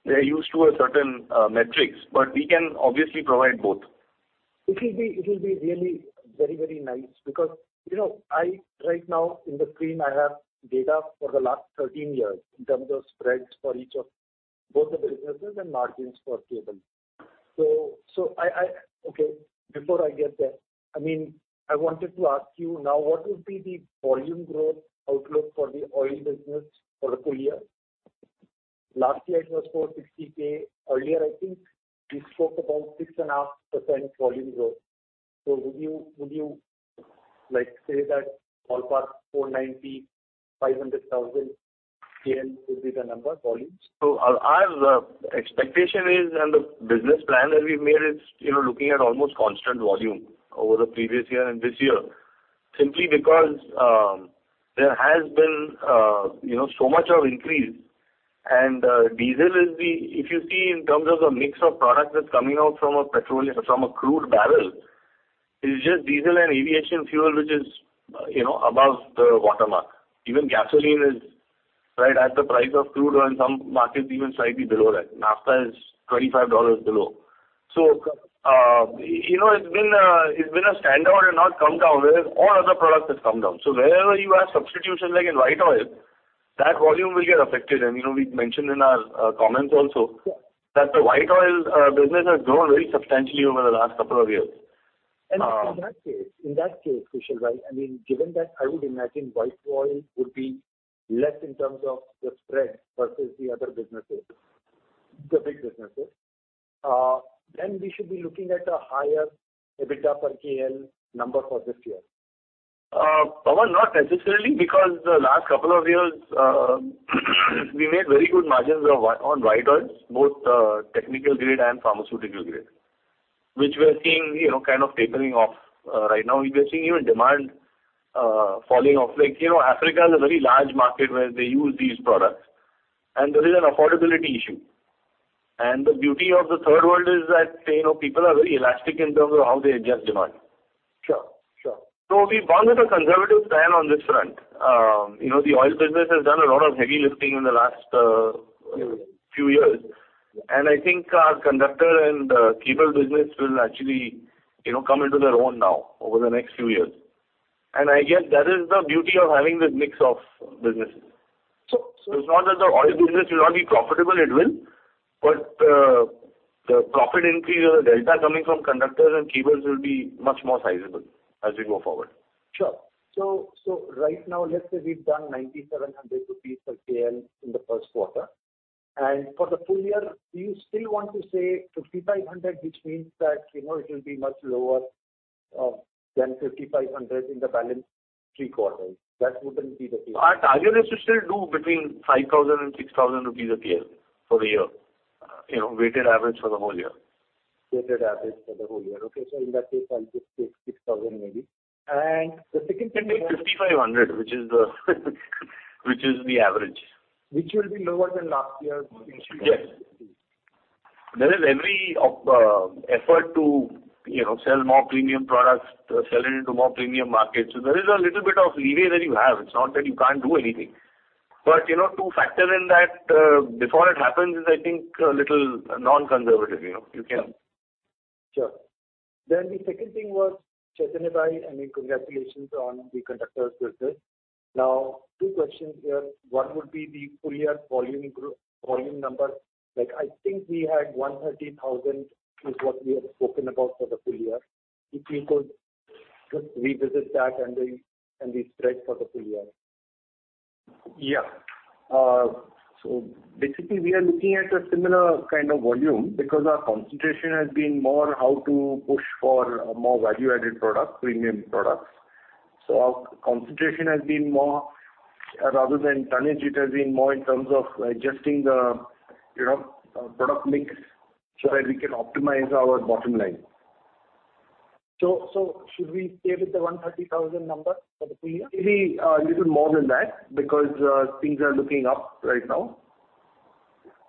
they're used to a certain metrics, but we can obviously provide both. It will be really very nice because, you know, I right now in the screen I have data for the last 13 years in terms of spreads for each of both the businesses and margins for cable. Okay, before I get there, I mean, I wanted to ask you now, what would be the volume growth outlook for the oil business for the full year? Last year it was 460K. Earlier, I think you spoke about 6.5% volume growth. So would you say that ballpark 490, 500 thousand KL will be the number volume? Our expectation is, and the business plan that we've made is, you know, looking at almost constant volume over the previous year and this year, simply because there has been you know, so much of increase in diesel. If you see in terms of the mix of products that's coming out from a petroleum, from a crude barrel, it's just diesel and aviation fuel, which is above the watermark. Even gasoline is right at the price of crude oil, in some markets even slightly below that. Naphtha is $25 below. You know, it's been a standout and not come down whereas all other products have come down. Wherever you have substitution, like in white oil. That volume will get affected. You know, we mentioned in our comments also. Sure. that the white oil business has grown very substantially over the last couple of years. In that case, Kushal Desai, I mean, given that I would imagine white oil would be less in terms of the spread versus the other businesses, the big businesses, then we should be looking at a higher EBITDA per KL number for this year. Pawan, not necessarily, because the last couple of years, we made very good margins on white oils, both technical grade and pharmaceutical grade, which we are seeing, you know, kind of tapering off right now. We are seeing even demand falling off. Like, you know, Africa is a very large market where they use these products, and there is an affordability issue. The beauty of the Third World is that, you know, people are very elastic in terms of how they adjust demand. Sure. Sure. We've gone with a conservative plan on this front. You know, the oil business has done a lot of heavy lifting in the last, Years... few years. I think our conductor and cable business will actually, you know, come into their own now over the next few years. I guess that is the beauty of having this mix of businesses. So, so- It's not that the oil business will not be profitable. It will. The profit increase or the delta coming from conductors and cables will be much more sizable as we go forward. Sure. Right now, let's say we've done 9,700 rupees per KL in the first quarter. For the full year, do you still want to say 5,500, which means that, you know, it will be much lower than 5,500 in the remaining three quarters? That wouldn't be the case. Our target is to still do between 5,000 and 6,000 rupees a KL for the year, you know, weighted average for the whole year. Weighted average for the whole year. Okay. In that case, I'll just take 6,000 maybe. The second thing- You can take 5,500, which is the average. Which will be lower than last year's. Yes. -26 KL. There is every effort to, you know, sell more premium products, sell it into more premium markets. There is a little bit of leeway that you have. It's not that you can't do anything. You know, to factor in that, before it happens is I think a little non-conservative, you know? You can. Sure. The second thing was, Chaitanya Desai, I mean, congratulations on the conductors business. Now, two questions here. One would be the full year volume number. Like, I think we had 130,000 is what we had spoken about for the full year. If you could just revisit that and the spread for the full year. Yeah. Basically, we are looking at a similar kind of volume because our concentration has been more how to push for a more value-added product, premium products. Our concentration has been more, rather than tonnage, it has been more in terms of adjusting the, you know, product mix so that we can optimize our bottom line. Should we stay with the 130 thousand number for the full year? Maybe a little more than that because things are looking up right now.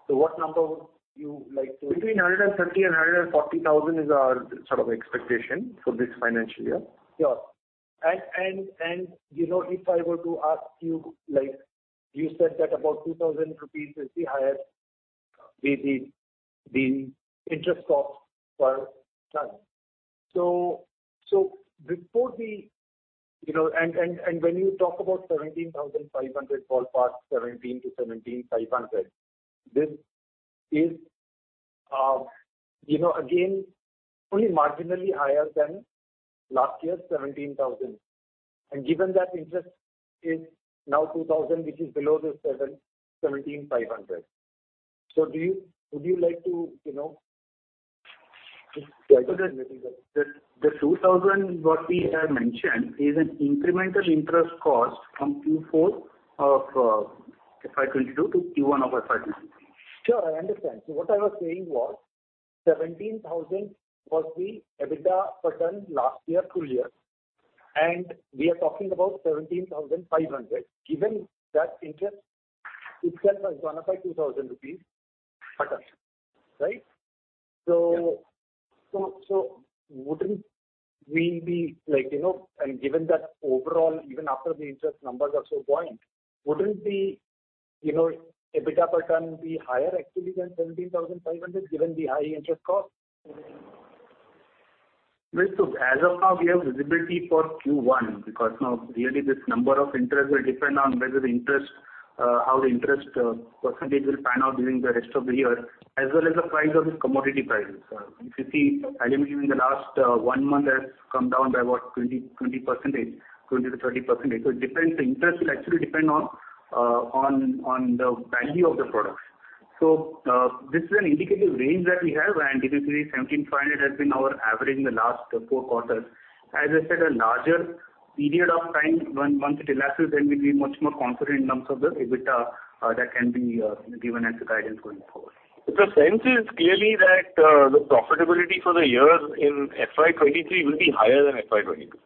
What number would you like to? Between 130 thousand and 140 thousand is our sort of expectation for this financial year. Sure. You know, if I were to ask you, like you said that about 2,000 rupees is the higher interest cost per ton. You know, when you talk about 17,500, fall back 17,000 to 17,500, this is again only marginally higher than last year's 17,000. Given that interest is now 2,000, which is below the 17,000-17,500. Would you like to, you know, just clarify maybe that. The 2,000 what we have mentioned is an incremental interest cost from Q4 of FY 2022 to Q1 of FY 2023. Sure, I understand. What I was saying was 17,000 was the EBITDA per ton last year, full year, and we are talking about 17,500. Given that interest itself has gone up by 2,000 rupees per ton, right? Yeah. Wouldn't we be like, you know, given that overall, even after the interest numbers are so buoyant, wouldn't the, you know, EBITDA per ton be higher actually than 17,500, given the high interest cost? As of now, we have visibility for Q1, because now really this number of interest will depend on whether the interest percentage will pan out during the rest of the year, as well as the price of this commodity prices. If you see, aluminum in the last one month has come down by about 20%-30%. It depends. The interest will actually depend on the value of the products. This is an indicative range that we have, and typically 1,750 has been our average in the last four quarters. As I said, a larger period of time once it elapses, then we'll be much more confident in terms of the EBITDA that can be given as a guidance going forward. The sense is clearly that the profitability for the year in FY 2023 will be higher than FY 2022.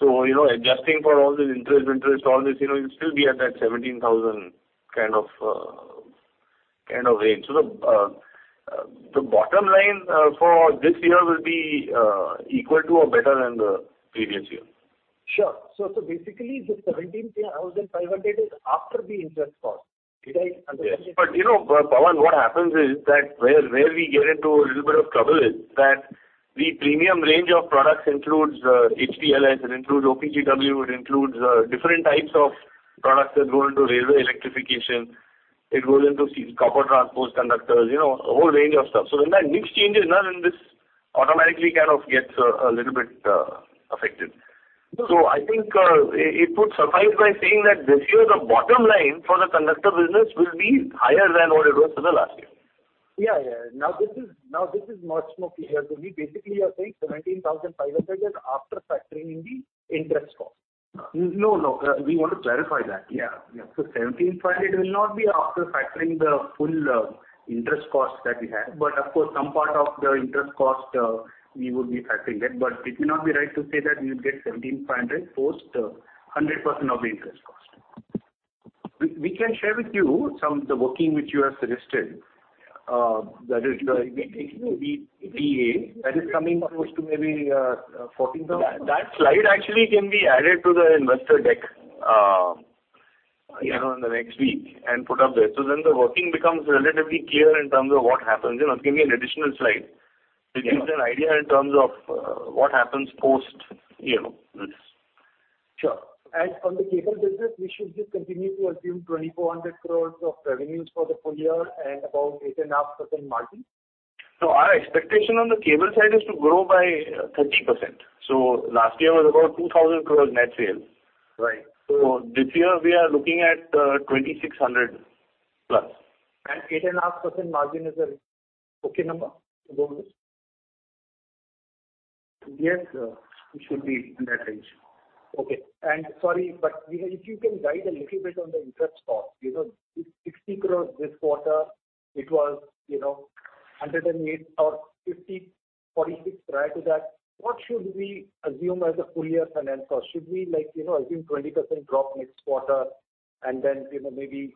You know, adjusting for all this interest, all this, you know, you'll still be at that 17,000 kind of range. The bottom line for this year will be equal to or better than the previous year. Sure. Basically, the 17,500 is after the interest cost. Did I understand it correctly? Yes. You know, Pawan, what happens is that where we get into a little bit of trouble is that the premium range of products includes HTLS, it includes OPGW, it includes different types of products that go into railway electrification. It goes into copper transport conductors, you know, a whole range of stuff. So when that mix changes, then this automatically kind of gets a little bit affected. I think it would suffice by saying that this year the bottom line for the conductor business will be higher than what it was for the last year. Yeah, yeah. Now this is much more clear. We basically are saying 17,500 after factoring in the interest cost. No, no. We want to clarify that. Yeah. 17.5%, it will not be after factoring the full interest cost that we have. Of course, some part of the interest cost we would be factoring that. It may not be right to say that we would get 1,750 post 100% of the interest cost. We can share with you some of the working which you have suggested, that is the. EBITDA. EBITDA, that is coming close to maybe 14,000. That slide actually can be added to the investor deck. Yeah. You know, in the next week and put up there. The working becomes relatively clear in terms of what happens. You know, it can be an additional slide. Yeah. To give you an idea in terms of, what happens post, you know, this. Sure. On the cable business, we should just continue to assume 2,400 crore of revenues for the full year and about 8.5% margin? No, our expectation on the cable side is to grow by 30%. Last year was about 2,000 crore net sales. Right. This year we are looking at 2,600+. 8.5% margin is a okay number for those? Yes, it should be in that range. Okay. Sorry, but if you can guide a little bit on the interest cost. You know, it's 60 crore this quarter. It was, you know, 108 or 54.6 prior to that. What should we assume as a full year finance cost? Should we like, you know, assume 20% drop next quarter and then, you know, maybe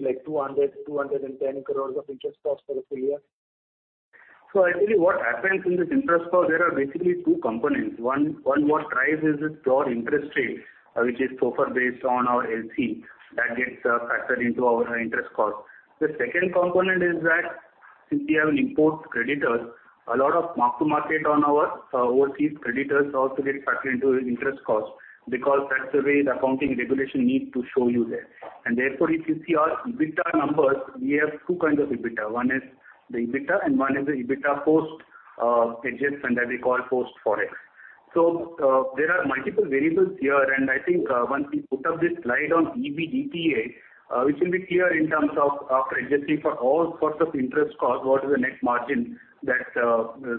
like 200 crore-210 crore of interest costs for the full year? Actually, what happens in this interest cost, there are basically two components. One, what drives is the pure interest rate, which is so far based on our LC. That gets factored into our interest cost. The second component is that since we have import creditors, a lot of mark to market on our overseas creditors also get factored into interest costs because that's the way the accounting regulation need to show you there. Therefore, if you see our EBITDA numbers, we have two kinds of EBITDA. One is the EBITDA and one is the EBITDA post adjustment that we call post Forex. There are multiple variables here, and I think, once we put up this slide on EBITDA, it should be clear in terms of after adjusting for all sorts of interest costs, what is the net margin that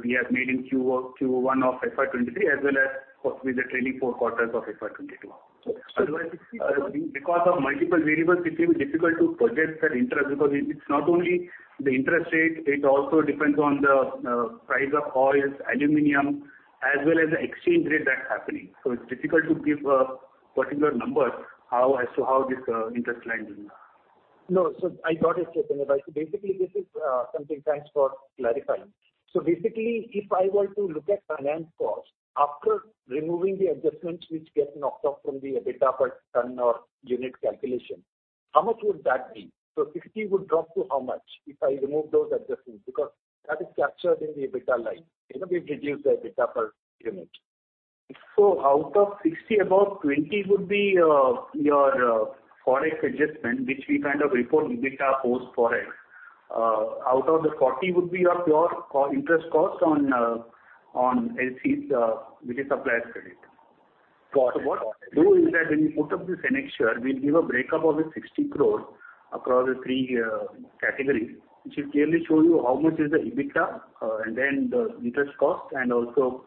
we have made in Q1 of FY 2023, as well as possibly the trailing four quarters of FY 2022. Sure. Otherwise, because of multiple variables, it becomes difficult to project that interest, because it's not only the interest rate, it also depends on the price of oils, aluminum, as well as the exchange rate that's happening. It's difficult to give a particular number as to how this interest line will be. No. I got it, Kushal Desai. Thanks for clarifying. Basically, if I were to look at finance cost after removing the adjustments which get knocked off from the EBITDA per ton or unit calculation, how much would that be? 60 would drop to how much if I remove those adjustments? Because that is captured in the EBITDA line. You know, we've reduced the EBITDA per unit. Out of 60, about 20 would be your Forex adjustment, which we kind of report EBITDA post Forex. Out of the 40 would be your pure interest cost on LCs, which is suppliers credit. Got it. What we do is that when we put up this annexure, we'll give a breakup of 60 crore across the three categories, which will clearly show you how much is the EBITDA, and then the interest cost and also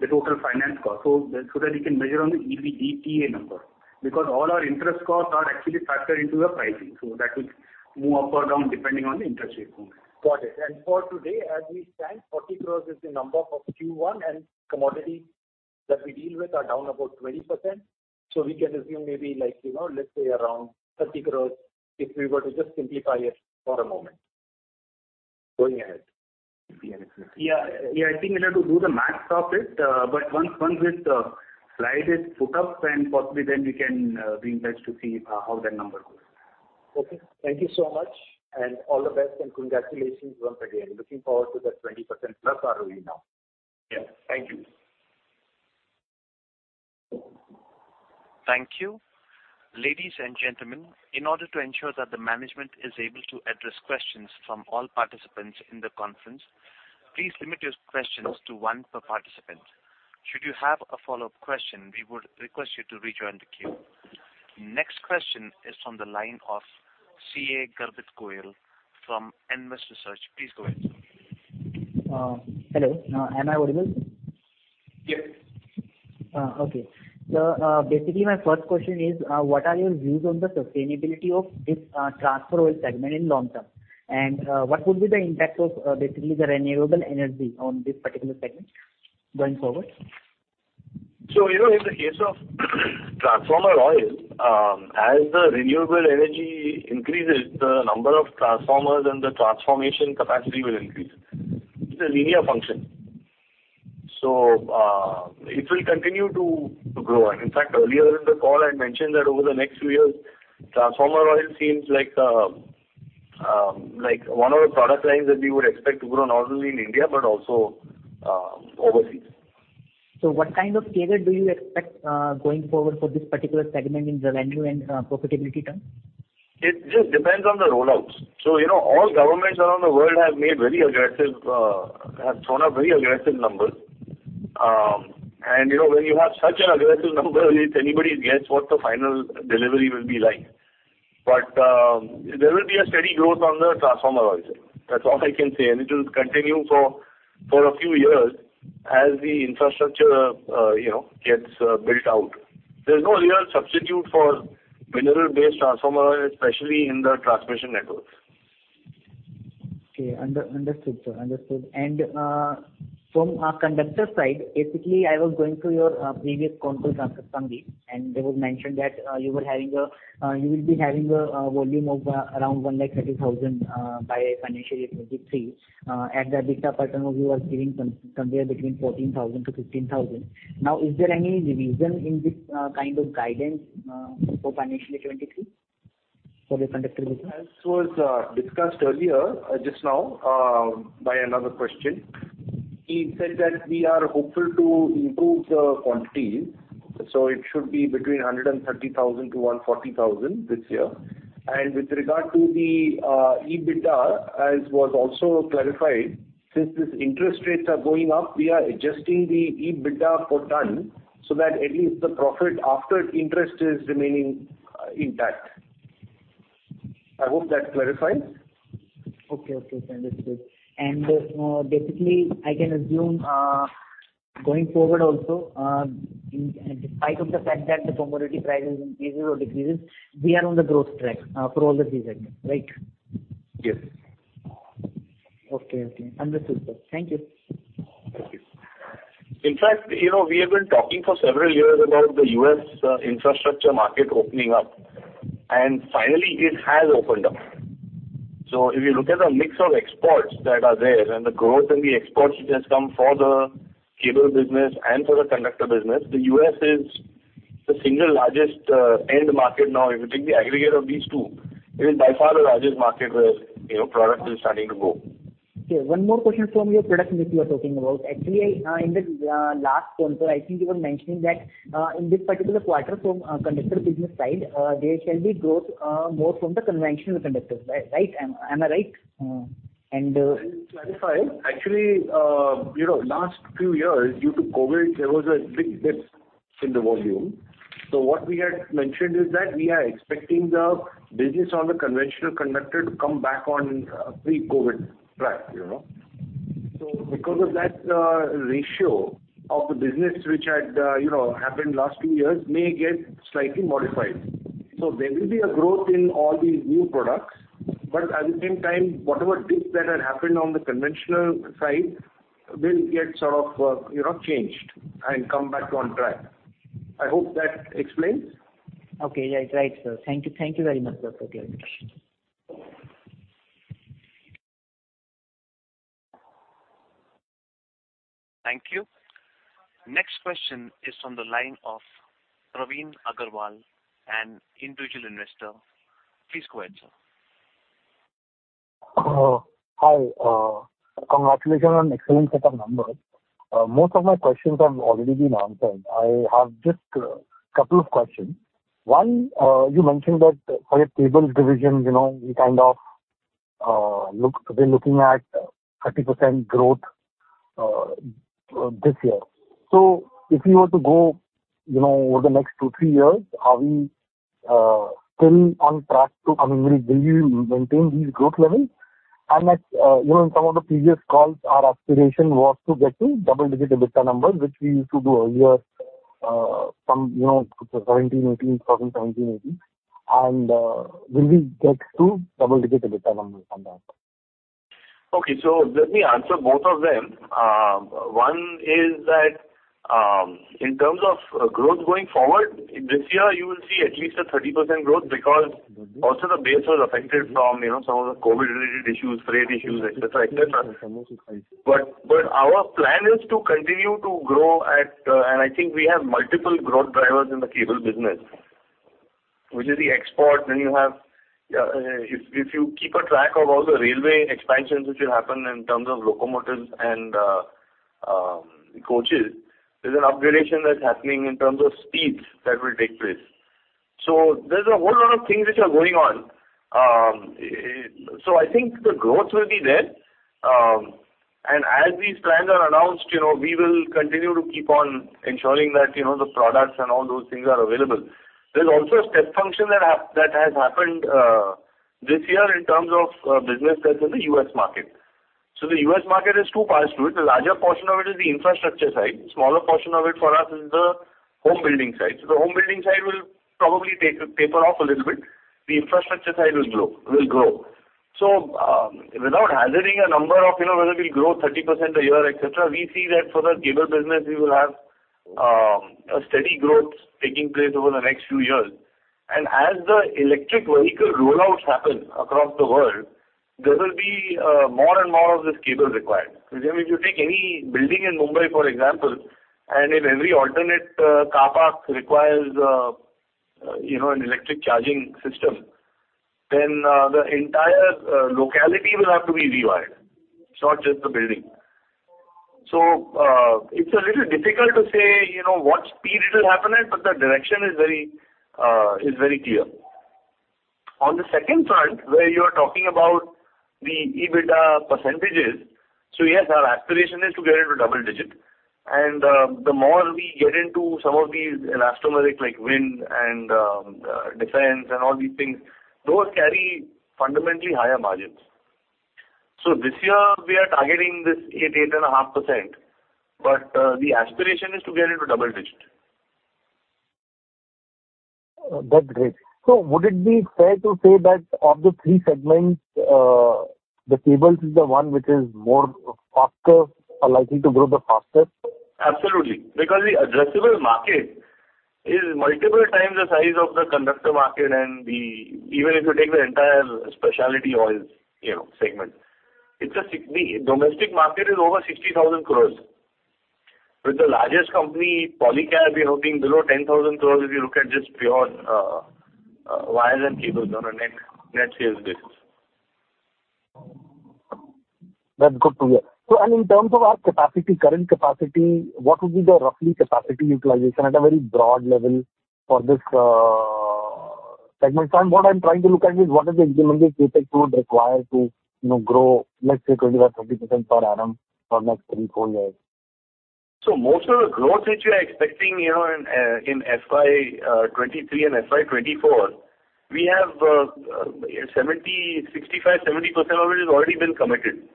the total finance cost. That you can measure on the EBITDA number. Because all our interest costs are actually factored into the pricing, so that will move up or down depending on the interest rate movement. Got it. For today, as we stand, 40 crore is the number for Q1, and commodity that we deal with are down about 20%. We can assume maybe like, you know, let's say around 30 crore, if we were to just simplify it for a moment. Going ahead. Yeah. Yeah, I think we'll have to do the math of it. Once this slide is put up, then possibly then we can re-engage to see how that number goes. Okay. Thank you so much. All the best and congratulations once again. Looking forward to that 20%+ ROE now. Yeah. Thank you. Thank you. Ladies and gentlemen, in order to ensure that the management is able to address questions from all participants in the conference, please limit your questions to one per participant. Should you have a follow-up question, we would request you to rejoin the queue. Next question is from the line of CA Garvit Goyal from Enmus Research. Please go ahead, sir. Hello. Am I audible? Yes. Okay. Basically my first question is, what are your views on the sustainability of this transformer oil segment in long term? What would be the impact of basically the renewable energy on this particular segment going forward? You know, in the case of transformer oil, as the renewable energy increases, the number of transformers and the transformation capacity will increase. It's a linear function. It will continue to grow. In fact, earlier in the call, I mentioned that over the next few years, transformer oil seems like one of the product lines that we would expect to grow not only in India, but also overseas. What kind of period do you expect going forward for this particular segment in the revenue and profitability term? It just depends on the rollouts. You know, all governments around the world have thrown up very aggressive numbers. You know, when you have such an aggressive number, it's anybody's guess what the final delivery will be like. There will be a steady growth on the transformer oil. That's all I can say, and it will continue for a few years as the infrastructure, you know, gets built out. There's no real substitute for mineral-based transformer oil, especially in the transmission networks. Okay. Understood, sir. Understood. From our conductor side, basically, I was going through your previous conference call transcript, and it was mentioned that you will be having a volume of around 130,000 by financial year 2023. At that time you were giving somewhere between 14,000-15,000. Now, is there any revision in this kind of guidance for financial year 2023 for the conductor business? As was discussed earlier, just now, by another question, he said that we are hopeful to improve the quantities, so it should be between 130,000 and 140,000 this year. With regard to the EBITDA, as was also clarified, since these interest rates are going up, we are adjusting the EBITDA per ton, so that at least the profit after interest is remaining intact. I hope that clarifies. Okay, sir. Understood. Basically, I can assume, going forward also, in spite of the fact that the commodity prices increases or decreases, we are on the growth track, for all the segments, right? Yes. Okay. Understood, sir. Thank you. Thank you. In fact, you know, we have been talking for several years about the U.S. infrastructure market opening up, and finally it has opened up. If you look at the mix of exports that are there and the growth in the exports which has come for the cable business and for the conductor business, the U.S. is the single largest end market now. If you take the aggregate of these two, it is by far the largest market where, you know, product is starting to go. Okay, one more question from your production, which you are talking about. Actually, in the last quarter, I think you were mentioning that, in this particular quarter from conductor business side, there shall be growth more from the conventional conductors. Right? Am I right? To clarify, actually, you know, last few years due to COVID, there was a big dip in the volume. What we had mentioned is that we are expecting the business on the conventional conductor to come back on pre-COVID track, you know. Because of that, ratio of the business which had, you know, happened last few years may get slightly modified. There will be a growth in all these new products, but at the same time, whatever dips that had happened on the conventional side will get sort of, you know, changed and come back on track. I hope that explains. Okay. Yeah. It's right, sir. Thank you. Thank you very much, sir, for clarification. Thank you. Next question is from the line of Praveen Agarwal, an Individual Investor. Please go ahead, sir. Hi. Congratulations on excellent set of numbers. Most of my questions have already been answered. I have just a couple of questions. One, you mentioned that for your cables division, you know, you kind of, we're looking at 30% growth this year. So if we were to go, you know, over the next 2-3 years, are we still on track? I mean, will you maintain these growth levels? Next, you know, in some of the previous calls, our aspiration was to get to double-digit EBITDA numbers, which we used to do earlier, some, you know, 2017, 2018. Will we get to double-digit EBITDA numbers from that? Okay, let me answer both of them. One is that, in terms of growth going forward, this year you will see at least a 30% growth because also the base was affected from, you know, some of the COVID-related issues, freight issues, et cetera, et cetera. Our plan is to continue to grow at. I think we have multiple growth drivers in the cable business, which is the export. You have, if you keep a track of all the railway expansions which will happen in terms of locomotives and coaches, there's an upgradation that's happening in terms of speeds that will take place. There's a whole lot of things which are going on. I think the growth will be there. As these plans are announced, you know, we will continue to keep on ensuring that, you know, the products and all those things are available. There's also a step function that has happened this year in terms of business that's in the US market. The US market has two parts to it. The larger portion of it is the infrastructure side. The smaller portion of it for us is the home building side. The home building side will probably take a taper off a little bit. The infrastructure side will grow. Without hazarding a number of, you know, whether it will grow 30% a year, et cetera, we see that for the cable business we will have a steady growth taking place over the next few years. As the electric vehicle rollouts happen across the world, there will be more and more of this cable required. Because if you take any building in Mumbai, for example, and if every alternate car park requires you know an electric charging system, then the entire locality will have to be rewired, it's not just the building. It's a little difficult to say you know what speed it'll happen at, but the direction is very clear. On the second front, where you're talking about the EBITDA percentages. Yes, our aspiration is to get into double digit. The more we get into some of these elastomeric like wind and defense and all these things, those carry fundamentally higher margins. This year we are targeting this 8%-8.5%, but the aspiration is to get into double digit. That's great. Would it be fair to say that of the three segments, the cables is the one which is more faster or likely to grow the fastest? Absolutely. Because the addressable market is multiple times the size of the conductor market and even if you take the entire specialty oils, you know, segment. The domestic market is over 60,000 crore. With the largest company, Polycab, you know, being below 10,000 crore if you look at just pure wires and cables on a net sales basis. That's good to hear. In terms of our capacity, current capacity, what would be the roughly capacity utilization at a very broad level for this segment? What I'm trying to look at is what is the incremental CapEx you would require to, you know, grow, let's say 20%-30% per annum for next 3-4 years. Most of the growth which we are expecting, you know, in FY 2023 and FY 2024, we have 65-70% of it has already been committed.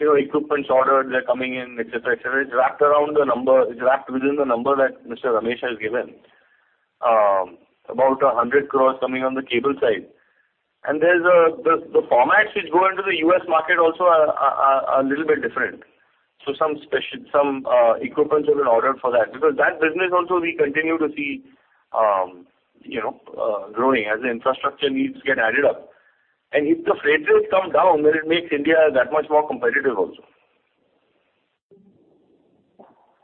You know, equipment ordered, they're coming in, et cetera, et cetera. It's wrapped around the number, it's wrapped within the number that Mr. Ramesh has given. About 100 crore coming on the cable side. The formats which go into the US market also are a little bit different. Some equipment have been ordered for that. Because that business also we continue to see, you know, growing as the infrastructure needs get added up. If the freight rates come down, then it makes India that much more competitive also.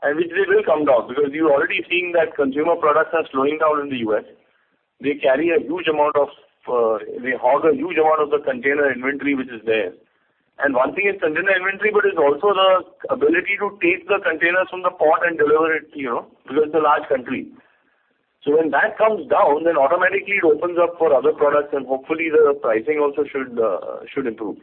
Which they will come down because you're already seeing that consumer products are slowing down in the US. They carry a huge amount of, they hoard a huge amount of the container inventory which is there. One thing is container inventory, but it's also the ability to take the containers from the port and deliver it, you know, because it's a large country. When that comes down, then automatically it opens up for other products and hopefully the pricing also should improve.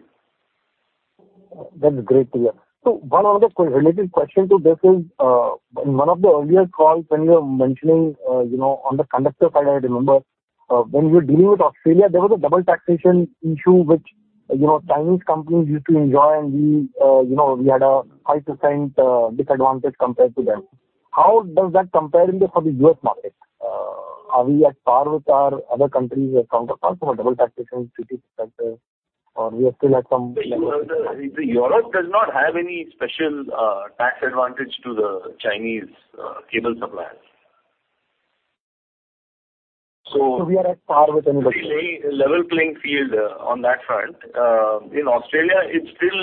That's great to hear. One of the related question to this is, in one of the earlier calls when you were mentioning, you know, on the conductor side, I remember, when we were dealing with Australia, there was a double taxation issue which, you know, Chinese companies used to enjoy and we, you know, we had a 5% disadvantage compared to them. How does that compare for the US market? Are we at par with our other countries or counterparts from a double taxation treaty perspective, or we are still at some level of disadvantage? Europe does not have any special tax advantage to the Chinese cable suppliers. We are at par with everybody. It's a very level playing field on that front. In Australia, it's still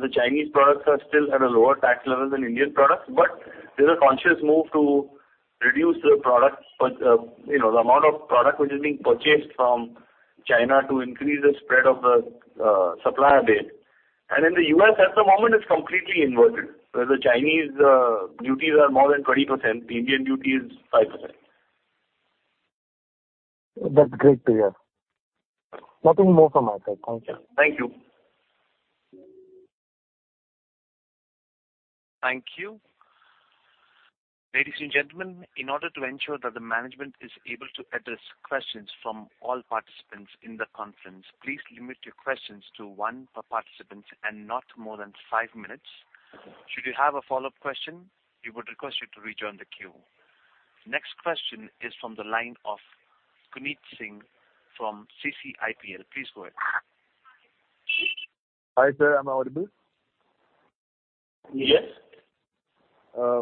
the Chinese products are still at a lower tax level than Indian products. There's a conscious move to reduce the amount of product which is being purchased from China to increase the spread of the supplier base. In the US at the moment, it's completely inverted, where the Chinese duties are more than 20%, the Indian duty is 5%. That's great to hear. Nothing more from my side. Thank you. Thank you. Thank you. Ladies and gentlemen, in order to ensure that the management is able to address questions from all participants in the conference, please limit your questions to one per participant and not more than five minutes. Should you have a follow-up question, we would request you to rejoin the queue. Next question is from the line of Guneet Singh from CCIPL. Please go ahead. Hi, sir. Am I audible? Yes.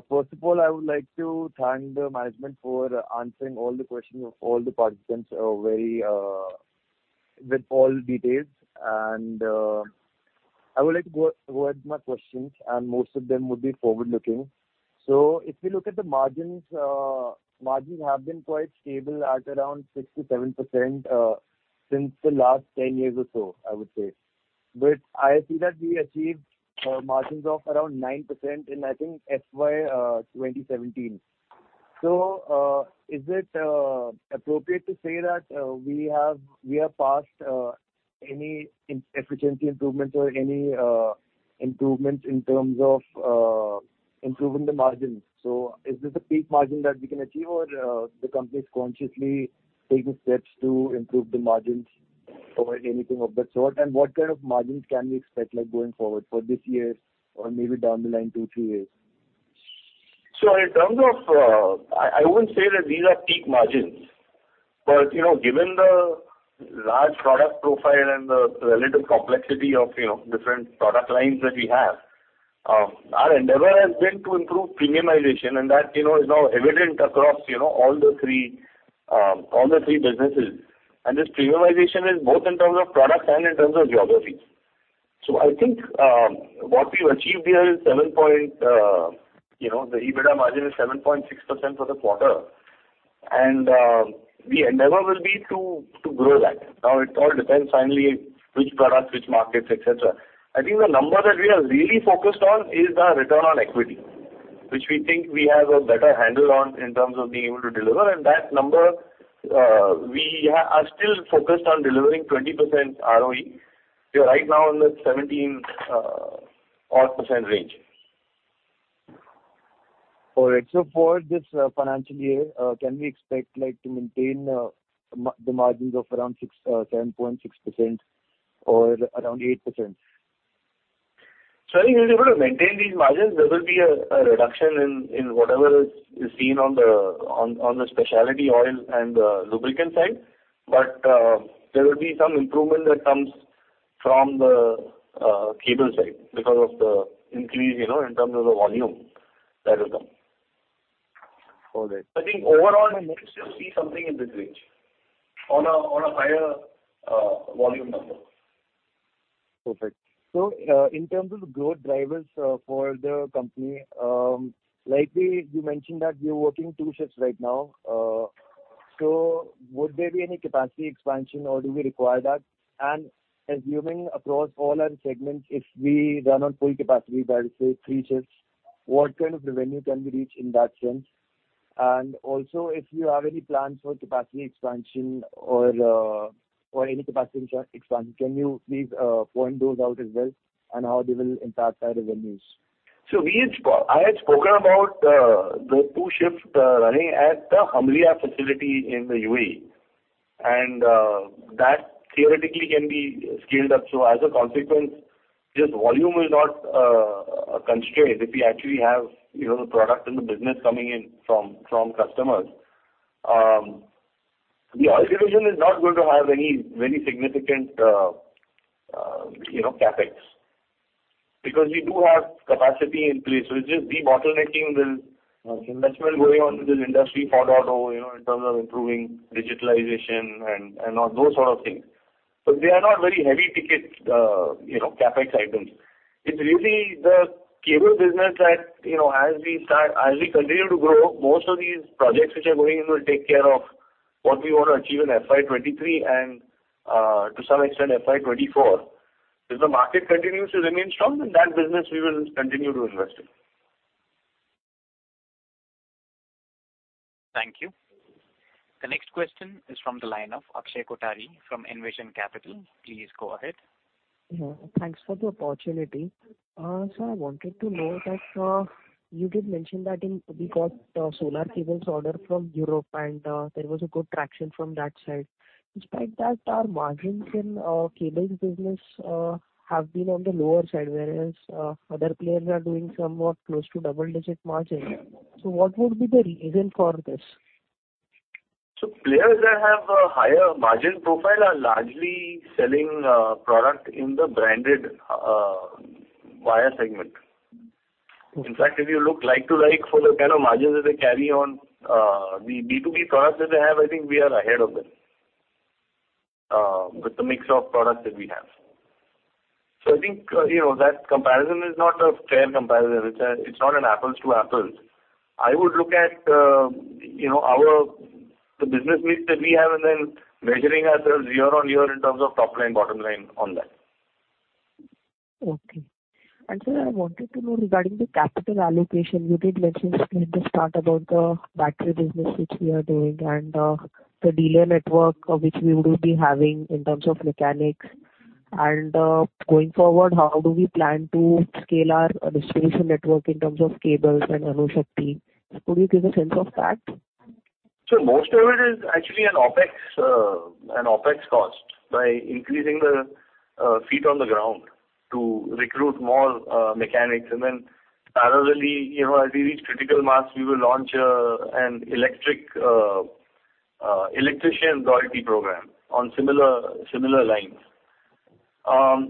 First of all, I would like to thank the management for answering all the questions of all the participants, very with all details. I would like to go ahead with my questions, and most of them would be forward-looking. If you look at the margins have been quite stable at around 6%-7% since the last 10 years or so, I would say. I see that we achieved margins of around 9% in, I think, FY 2017. Is it appropriate to say that we have, we are past any inefficiency improvements or any improvements in terms of improving the margins? Is this a peak margin that we can achieve or, the company is consciously taking steps to improve the margins or anything of that sort? What kind of margins can we expect, like, going forward for this year or maybe down the line 2, 3 years? In terms of, I wouldn't say that these are peak margins, but you know, given the large product profile and the relative complexity of, you know, different product lines that we have, our endeavor has been to improve premiumization, and that, you know, is now evident across, you know, all three businesses. This premiumization is both in terms of products and in terms of geographies. I think what we've achieved here is, the EBITDA margin is 7.6% for the quarter. The endeavor will be to grow that. It all depends finally which products, which markets, et cetera. I think the number that we are really focused on is the return on equity, which we think we have a better handle on in terms of being able to deliver. We are still focused on delivering 20% ROE. We are right now in the 17% range. All right. For this financial year, can we expect, like, to maintain the margins of around 6, 7.6% or around 8%? I think we'll be able to maintain these margins. There will be a reduction in whatever is seen on the specialty oil and lubricant side. There will be some improvement that comes from the cable side because of the increase, you know, in terms of the volume that will come. All right. I think overall you may still see something in this range on a higher volume number. Perfect. In terms of growth drivers for the company, likely you mentioned that you're working two shifts right now. Would there be any capacity expansion or do we require that? Assuming across all our segments, if we run on full capacity, that is say three shifts, what kind of revenue can we reach in that sense? If you have any plans for capacity expansion, can you please point those out as well and how they will impact our revenues? I had spoken about the two shifts running at the Hamriyah facility in the UAE, and that theoretically can be scaled up. As a consequence, just volume is not a constraint if we actually have, you know, the product in the business coming in from customers. The oil division is not going to have any very significant, you know, CapEx because we do have capacity in place. It's just debottlenecking, the investment going on with this industry for auto, you know, in terms of improving digitalization and all those sort of things. They are not very heavy ticket, you know, CapEx items. It's really the cable business that, you know, as we continue to grow, most of these projects which are going in will take care of what we want to achieve in FY 2023 and, to some extent, FY 2024. If the market continues to remain strong, then that business we will continue to invest in. Thank you. The next question is from the line of Akshay Kothari from Envision Capital. Please go ahead. Yeah, thanks for the opportunity. So I wanted to know that you did mention that we got solar cables order from Europe and there was a good traction from that side. Despite that, our margins in cables business have been on the lower side, whereas other players are doing somewhat close to double-digit margins. What would be the reason for this? Players that have a higher margin profile are largely selling product in the branded wire segment. Okay. In fact, if you look like to like for the kind of margins that they carry on the B2B products that they have, I think we are ahead of them with the mix of products that we have. I think, you know, that comparison is not a fair comparison. It's not an apples to apples. I would look at, you know, our the business mix that we have and then measuring ourselves year-on-year in terms of top line, bottom line on that. Okay. Sir, I wanted to know regarding the capital allocation, you did mention in the start about the battery business which we are doing and, the dealer network which we would be having in terms of mechanics. Going forward, how do we plan to scale our distribution network in terms of cables and Anushakti? Could you give a sense of that? Most of it is actually an OpEx cost by increasing the feet on the ground to recruit more mechanics. Then parallelly, you know, as we reach critical mass, we will launch an electrician loyalty program on similar lines.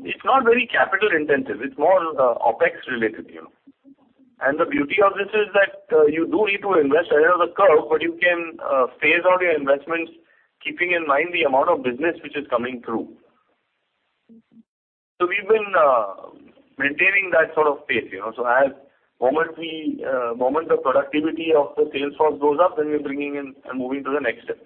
It's not very capital intensive. It's more OpEx related, you know. The beauty of this is that you do need to invest ahead of the curve, but you can phase out your investments keeping in mind the amount of business which is coming through. Okay. We've been maintaining that sort of pace, you know. As the moment the productivity of the sales force goes up, then we're bringing in and moving to the next step.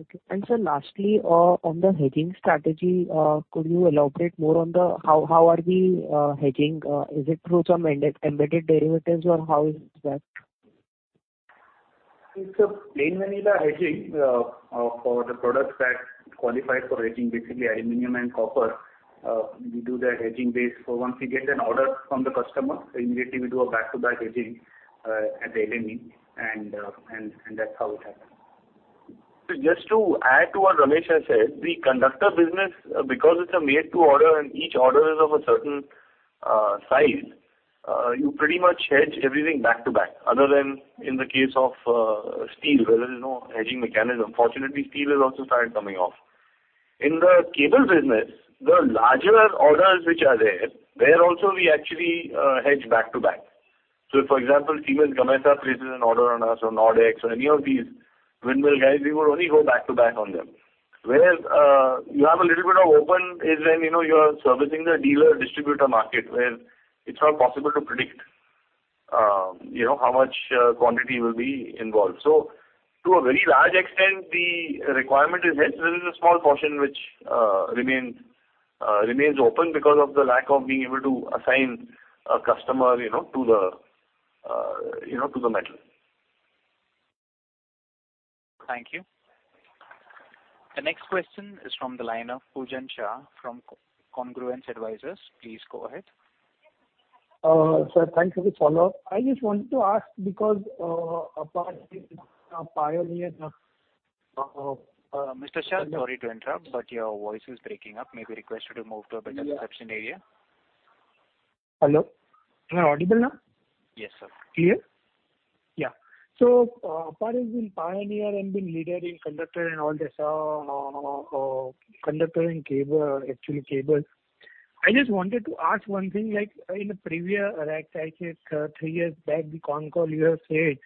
Okay. Sir, lastly, on the hedging strategy, could you elaborate more on how we are hedging? Is it through some embedded derivatives or how is that? It's a plain vanilla hedging for the products that qualify for hedging, basically aluminum and copper. We do the hedging base. Once we get an order from the customer, immediately we do a back-to-back hedging at the LME and that's how it happens. Just to add to what Ramesh has said, the conductor business, because it's a made to order and each order is of a certain size, you pretty much hedge everything back-to-back other than in the case of steel where there is no hedging mechanism. Fortunately, steel has also started coming off. In the cable business, the larger orders which are there also we actually hedge back-to-back. For example, Siemens Gamesa places an order on us or Nordex or any of these windmill guys, we would only go back-to-back on them. Whereas, you have a little bit of openness is when, you know, you are servicing the dealer distributor market, where it's not possible to predict, you know, how much quantity will be involved. To a very large extent, the requirement is hedged. There is a small portion which remains open because of the lack of being able to assign a customer, you know, to the, you know, to the metal. Thank you. The next question is from the line of Poojan Shah from Congruence Advisers. Please go ahead. Sir, thanks for the follow-up. I just wanted to ask because Mr. Shah, sorry to interrupt, but your voice is breaking up. May we request you to move to a better reception area? Hello. Am I audible now? Yes, sir. Clear? Yeah. APAR is a pioneer and been leader in conductor and conductor and cable, actually cable. I just wanted to ask one thing, like in the previous, like, I think three years back the con call you have said,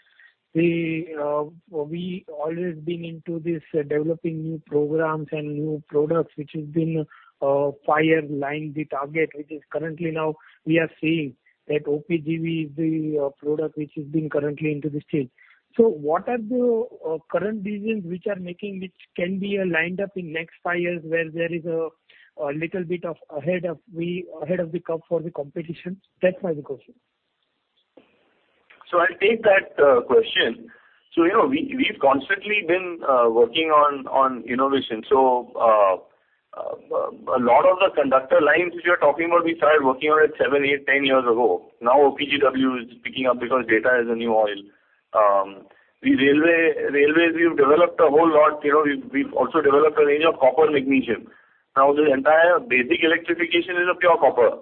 we always been into this developing new programs and new products, which has been five years line the target, which is currently now we are seeing that OPGW is the product which is being currently into this stage. What are the current visions which are making, which can be lined up in next five years where there is a little bit ahead of the curve for the competition? That's my question. I'll take that question. You know, we've constantly been working on innovation. A lot of the conductor lines which you're talking about, we started working on it 7, 8, 10 years ago. Now OPGW is picking up because data is the new oil. Railways, we've developed a whole lot. You know, we've also developed a range of copper magnesium. The entire basic electrification is of pure copper.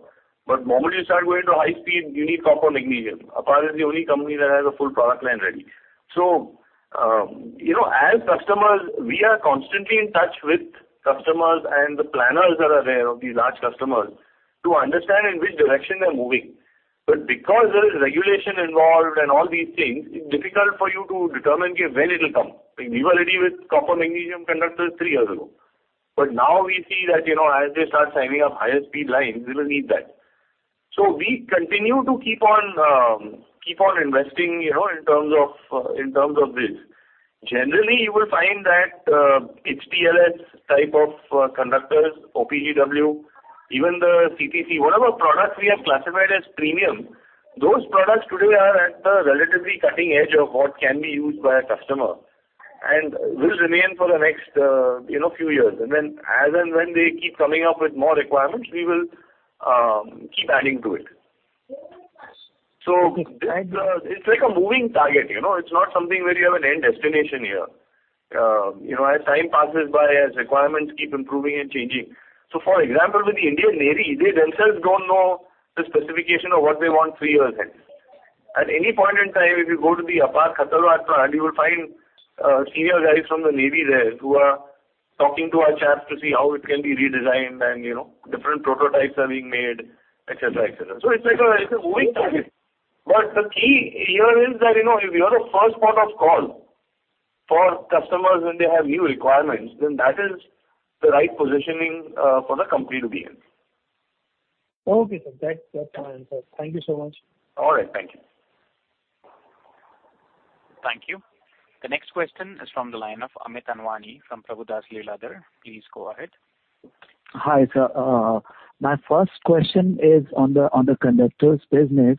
But the moment you start going to high speed, you need copper magnesium. APAR is the only company that has a full product line ready. You know, as customers, we are constantly in touch with customers and the planners that are there of these large customers to understand in which direction they're moving. Because there is regulation involved and all these things, it's difficult for you to determine when it'll come. We were ready with copper magnesium conductors three years ago. Now we see that, you know, as they start signing up higher speed lines, they will need that. We continue to keep on investing, you know, in terms of this. Generally, you will find that, HTLS type of conductors, OPGW, even the CTC, whatever products we have classified as premium, those products today are at the relatively cutting edge of what can be used by a customer and will remain for the next, you know, few years. Then as and when they keep coming up with more requirements, we will keep adding to it. It's like a moving target, you know. It's not something where you have an end destination here. You know, as time passes by, as requirements keep improving and changing. For example, with the Indian Navy, they themselves don't know the specification of what they want three years ahead. At any point in time, if you go to the APAR you will find, senior guys from the Navy there who are talking to our chaps to see how it can be redesigned and you know, different prototypes are being made, et cetera, et cetera. It's like a moving target. The key here is that, you know, if you are the first port of call for customers when they have new requirements, then that is the right positioning for the company to be in. Okay, sir. That, that's my answer. Thank you so much. All right. Thank you. Thank you. The next question is from the line of Amit Anwani from Prabhudas Lilladher. Please go ahead. Hi, sir. My first question is on the conductors business.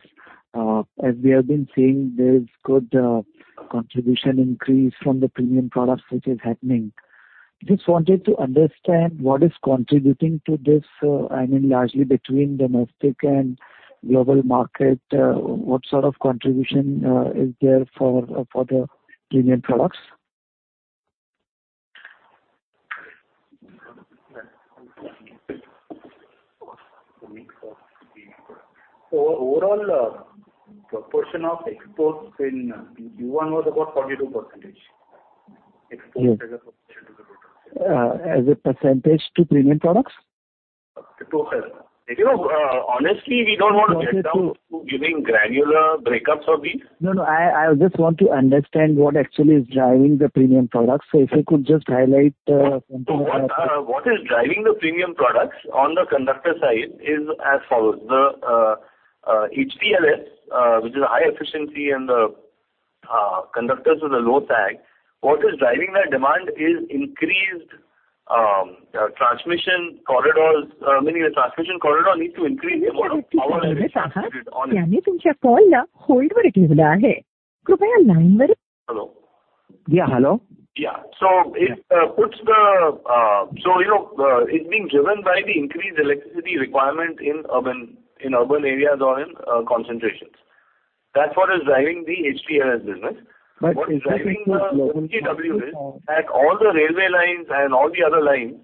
As we have been seeing, there's good contribution increase from the premium products which is happening. Just wanted to understand what is contributing to this. I mean, largely between domestic and global market, what sort of contribution is there for the premium products? Overall, proportion of exports in Q1 was about 42%. Exports as a proportion to the total. As a percentage to premium products? You know, honestly, we don't want to get down to giving granular breakups of these. No, I just want to understand what actually is driving the premium products. If you could just highlight something like that. What is driving the premium products on the conductor side is as follows. The HTLS, which is a high efficiency and conductors with a low sag. What is driving that demand is increased transmission corridors. I mean, the transmission corridor needs to increase the amount of power that is transmitted on it. Hello. Yeah. Hello. Yeah. You know, it's being driven by the increased electricity requirement in urban areas or in concentrations. That's what is driving the HTLS business. But What's driving the OPGW is at all the railway lines and all the other lines,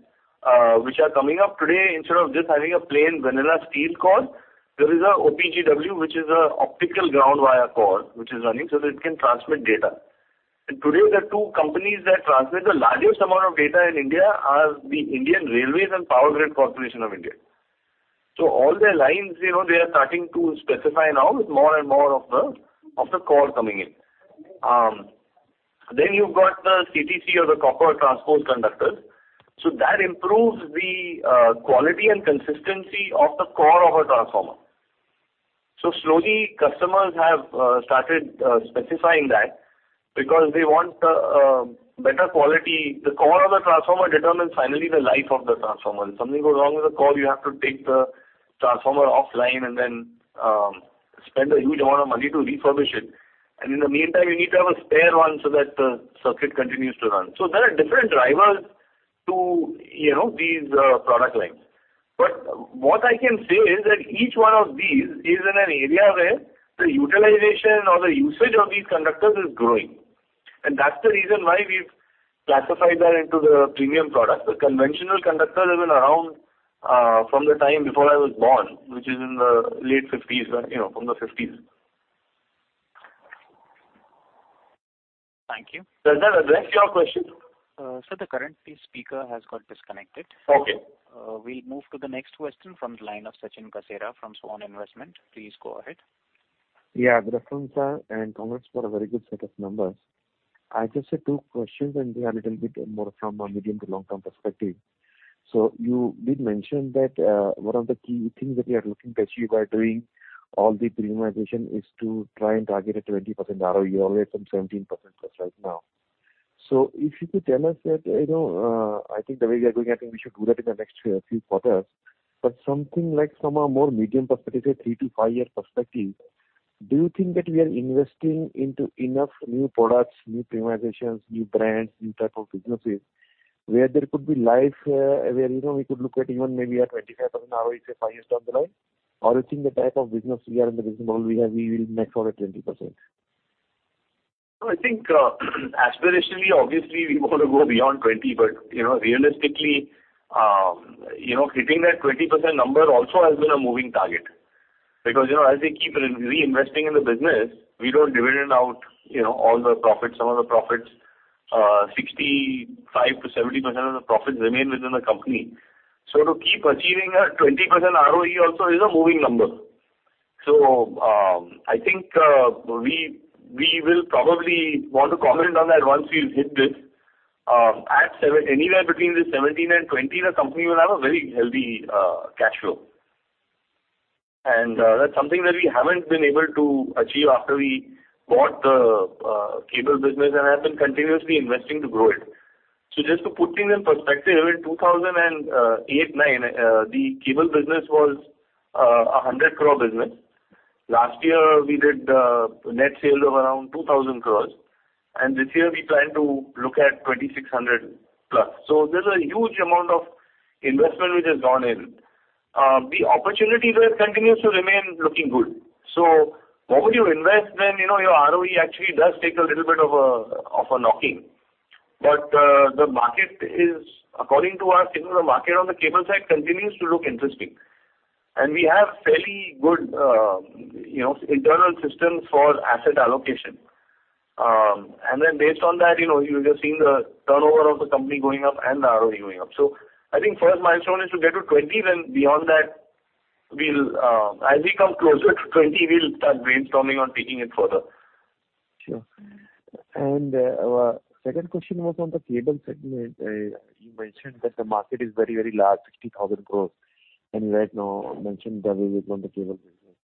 which are coming up today, instead of just having a plain vanilla steel core, there is a OPGW, which is a optical ground wire core, which is running so that it can transmit data. Today, the two companies that transmit the largest amount of data in India are the Indian Railways and Power Grid Corporation of India. All their lines, you know, they are starting to specify now with more and more of the core coming in. Then you've got the CTC or the copper transport conductors. That improves the quality and consistency of the core of a transformer. Slowly, customers have started specifying that because they want better quality. The core of the transformer determines finally the life of the transformer. If something goes wrong with the core, you have to take the transformer offline and then spend a huge amount of money to refurbish it. In the meantime, you need to have a spare one so that the circuit continues to run. There are different drivers to, you know, these product lines. What I can say is that each one of these is in an area where the utilization or the usage of these conductors is growing. That's the reason why we've classified that into the premium products. The conventional conductor has been around, from the time before I was born, which is in the late fifties, you know, from the fifties. Thank you. Does that address your question? Sir, the current speaker has got disconnected. Okay. We'll move to the next question from the line of Sachin Kasera from Swan Investment. Please go ahead. Greetings, sir, and congrats for a very good set of numbers. I just have two questions, and they are a little bit more from a medium to long-term perspective. You did mention that one of the key things that we are looking to achieve by doing all the premiumization is to try and target a 20% ROE, all right, from 17% plus right now. If you could tell us that, you know, I think the way we are going, I think we should do that in the next few quarters. Something like from a more medium perspective, say 3-5-year perspective, do you think that we are investing into enough new products, new premiumizations, new brands, new type of businesses where there could be life, where, you know, we could look at even maybe a 25% ROE, say 5 years down the line? Or you think the type of business we are in, the business model we have, we will make for a 20%? No, I think, aspirationally, obviously, we wanna go beyond 20, but, you know, realistically, you know, hitting that 20% number also has been a moving target. Because, you know, as we keep re-investing in the business, we don't dividend out, you know, all the profits, some of the profits. 65%-70% of the profits remain within the company. To keep achieving a 20% ROE also is a moving number. I think, we will probably want to comment on that once we've hit this. Anywhere between the 17 and 20, the company will have a very healthy, cash flow. That's something that we haven't been able to achieve after we bought the cable business and have been continuously investing to grow it. Just to put things in perspective, in 2008-2009, the cable business was an 100 crore business. Last year, we did net sales of around 2,000 crores. This year we plan to look at 2,600+. There's a huge amount of investment which has gone in. The opportunity there continues to remain looking good. What would you invest when, you know, your ROE actually does take a little bit of a knocking. The market is, according to our signals, the market on the cable side continues to look interesting. We have fairly good, you know, internal systems for asset allocation. Then based on that, you know, you're just seeing the turnover of the company going up and the ROE going up. I think first milestone is to get to 20, then beyond that, we'll, as we come closer to 20, we'll start brainstorming on taking it further. Sure. Second question was on the cable segment. You mentioned that the market is very, very large, 60,000 crore. Right now, you have 1% of the cable business.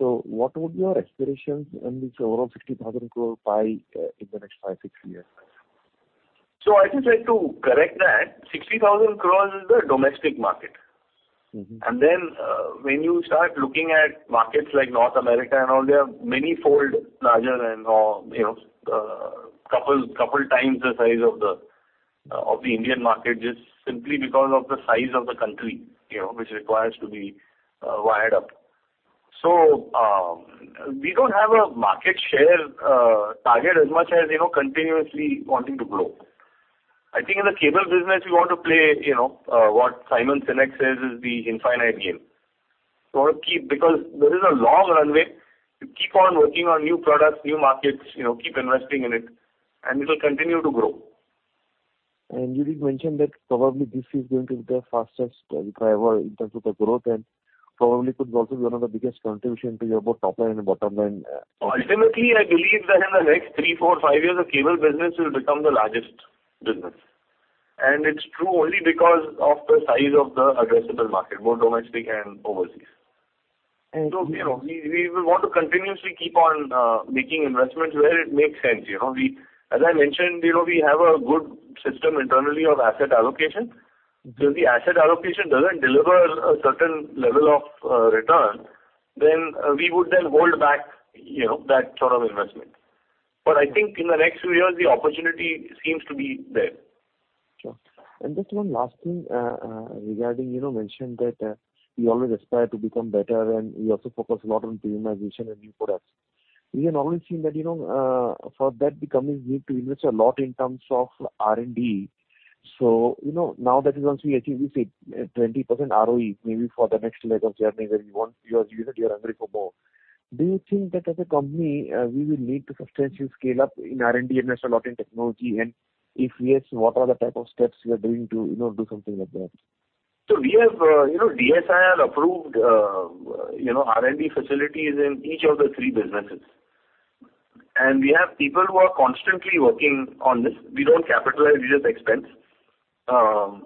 What would be your aspirations on this overall 60,000 crore pie, in the next five, six years? I'd just like to correct that. 60,000 crore is the domestic market. Mm-hmm. When you start looking at markets like North America and all, they are manifold larger than, you know, couple times the size of the Indian market, just simply because of the size of the country, you know, which requires to be wired up. We don't have a market share target as much as, you know, continuously wanting to grow. I think in the cable business, we want to play, you know, what Simon Sinek says is the infinite game. We wanna keep. Because there is a long runway to keep on working on new products, new markets, you know, keep investing in it, and it'll continue to grow. You did mention that probably this is going to be the fastest driver in terms of the growth and probably could also be one of the biggest contribution to your both top line and bottom line. Ultimately, I believe that in the next three, four, five years, the cable business will become the largest business. It's true only because of the size of the addressable market, both domestic and overseas. And- You know, we will want to continuously keep on making investments where it makes sense. You know, as I mentioned, you know, we have a good system internally of asset allocation. If the asset allocation doesn't deliver a certain level of return, then we would then hold back, you know, that sort of investment. I think in the next few years, the opportunity seems to be there. Sure. Just one last thing, regarding, you know, you mentioned that, you always aspire to become better, and you also focus a lot on premiumization and new products. We have always seen that, you know, for that becoming, we need to invest a lot in terms of R&D. You know, now that is once we achieve, we say, 20% ROE, maybe for the next leg of journey where you want, you have it, you are hungry for more. Do you think that as a company, we will need to substantially scale up in R&D, invest a lot in technology? If yes, what are the type of steps you are doing to, you know, do something like that? We have, you know, DSIR-approved, you know, R&D facilities in each of the three businesses. We have people who are constantly working on this. We don't capitalize, we just expense, our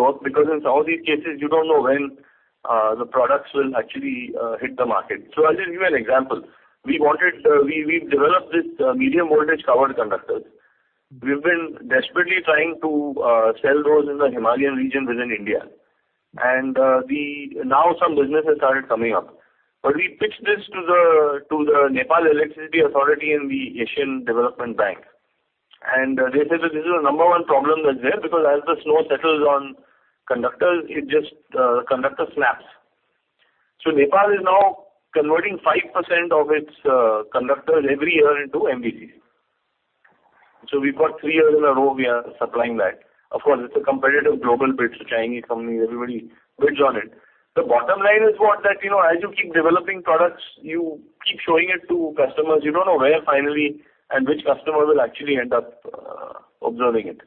work, because in some of these cases, you don't know when, the products will actually, hit the market. I'll just give you an example. We've developed this, medium voltage covered conductors. We've been desperately trying to, sell those in the Himalayan region within India. Now some business has started coming up. We pitched this to the, to the Nepal Electricity Authority and the Asian Development Bank. They said that this is a number one problem that's there, because as the snow settles on conductors, it just, conductor snaps. Nepal is now converting 5% of its conductors every year into MVCC. We've got three years in a row we are supplying that. Of course, it's a competitive global bid, so Chinese companies, everybody bids on it. The bottom line is what? That, you know, as you keep developing products, you keep showing it to customers. You don't know where finally and which customer will actually end up observing it.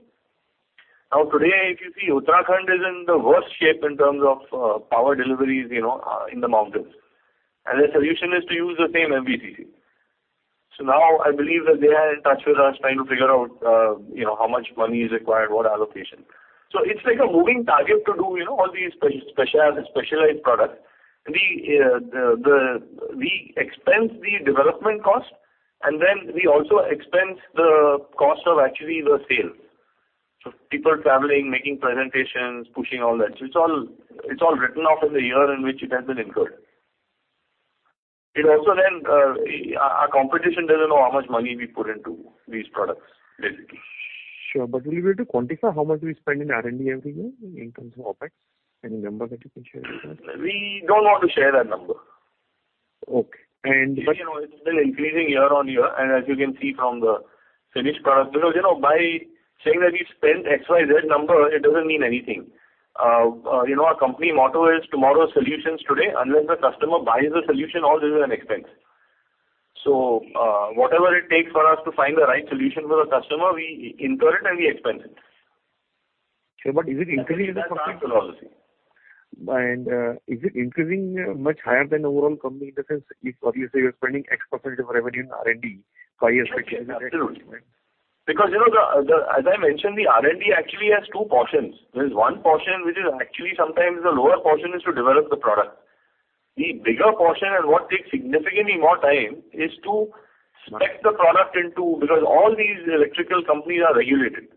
Now, today, if you see Uttarakhand is in the worst shape in terms of power deliveries, you know, in the mountains. The solution is to use the same MVCC. Now I believe that they are in touch with us trying to figure out, you know, how much money is required, what allocation. It's like a moving target to do, you know, all these specialized products. We expense the development cost, and then we also expense the cost of actually the sales. People traveling, making presentations, pushing all that. It's all written off in the year in which it has been incurred. It also, our competition doesn't know how much money we put into these products, basically. Sure. Will you be able to quantify how much we spend in R&D every year in terms of OpEx? Any number that you can share with us? We don't want to share that number. Okay. You know, it's been increasing year-on-year, and as you can see from the finished product. Because you know, by saying that we spent XYZ number, it doesn't mean anything. You know, our company motto is, "Tomorrow's solutions today." Unless the customer buys the solution, all this is an expense. Whatever it takes for us to find the right solution for the customer, we incur it and we expense it. Okay. Is it increasing? That's our philosophy. Is it increasing much higher than overall company? In the sense if obviously you're spending of revenue in R&D for a year. Absolutely. You know, as I mentioned, the R&D actually has two portions. There is one portion which is actually sometimes the lower portion, is to develop the product. The bigger portion, and what takes significantly more time, is to spec the product into. All these electrical companies are regulated.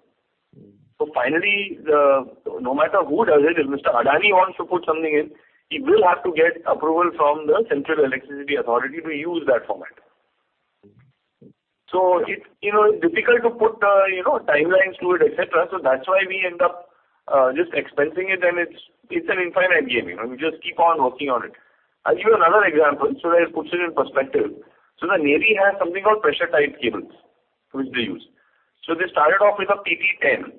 Mm-hmm. Finally, no matter who does it, if Mr. Adani wants to put something in, he will have to get approval from the Central Electricity Authority to use that format. It's, you know, difficult to put, you know, timelines to it, et cetera. That's why we end up, just expensing it and it's an infinite game. You know, we just keep on working on it. I'll give you another example so that it puts it in perspective. The Navy has something called pressure type cables, which they use. They started off with a PT 10,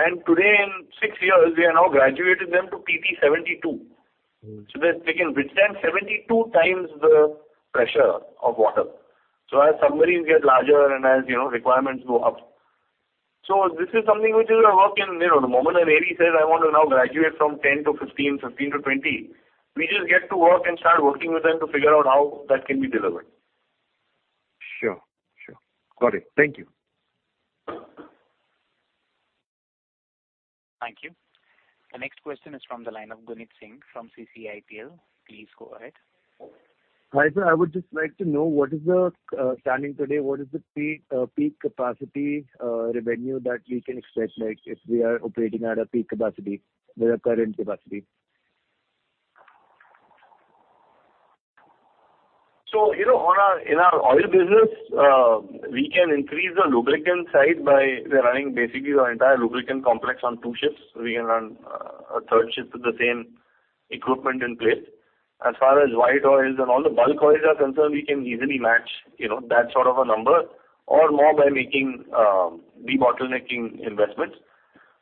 and today in six years, we are now graduating them to PT 72. Mm-hmm. That they can withstand 72x the pressure of water. As submarines get larger and as, you know, requirements go up. This is something which is a work in, you know, the moment a Navy says I want to now graduate from 10 to 15 to 20, we just get to work and start working with them to figure out how that can be delivered. Sure. Sure. Got it. Thank you. Thank you. The next question is from the line of Guneet Singh from CCIPL. Please go ahead. Hi, sir, I would just like to know what is the standing today, what is the peak capacity revenue that we can expect, like if we are operating at a peak capacity with our current capacity? In our oil business, we can increase the lubricant side by running basically our entire lubricant complex on two shifts. We can run a third shift with the same equipment in place. As far as white oils and all the bulk oils are concerned, we can easily match, you know, that sort of a number or more by making debottlenecking investments.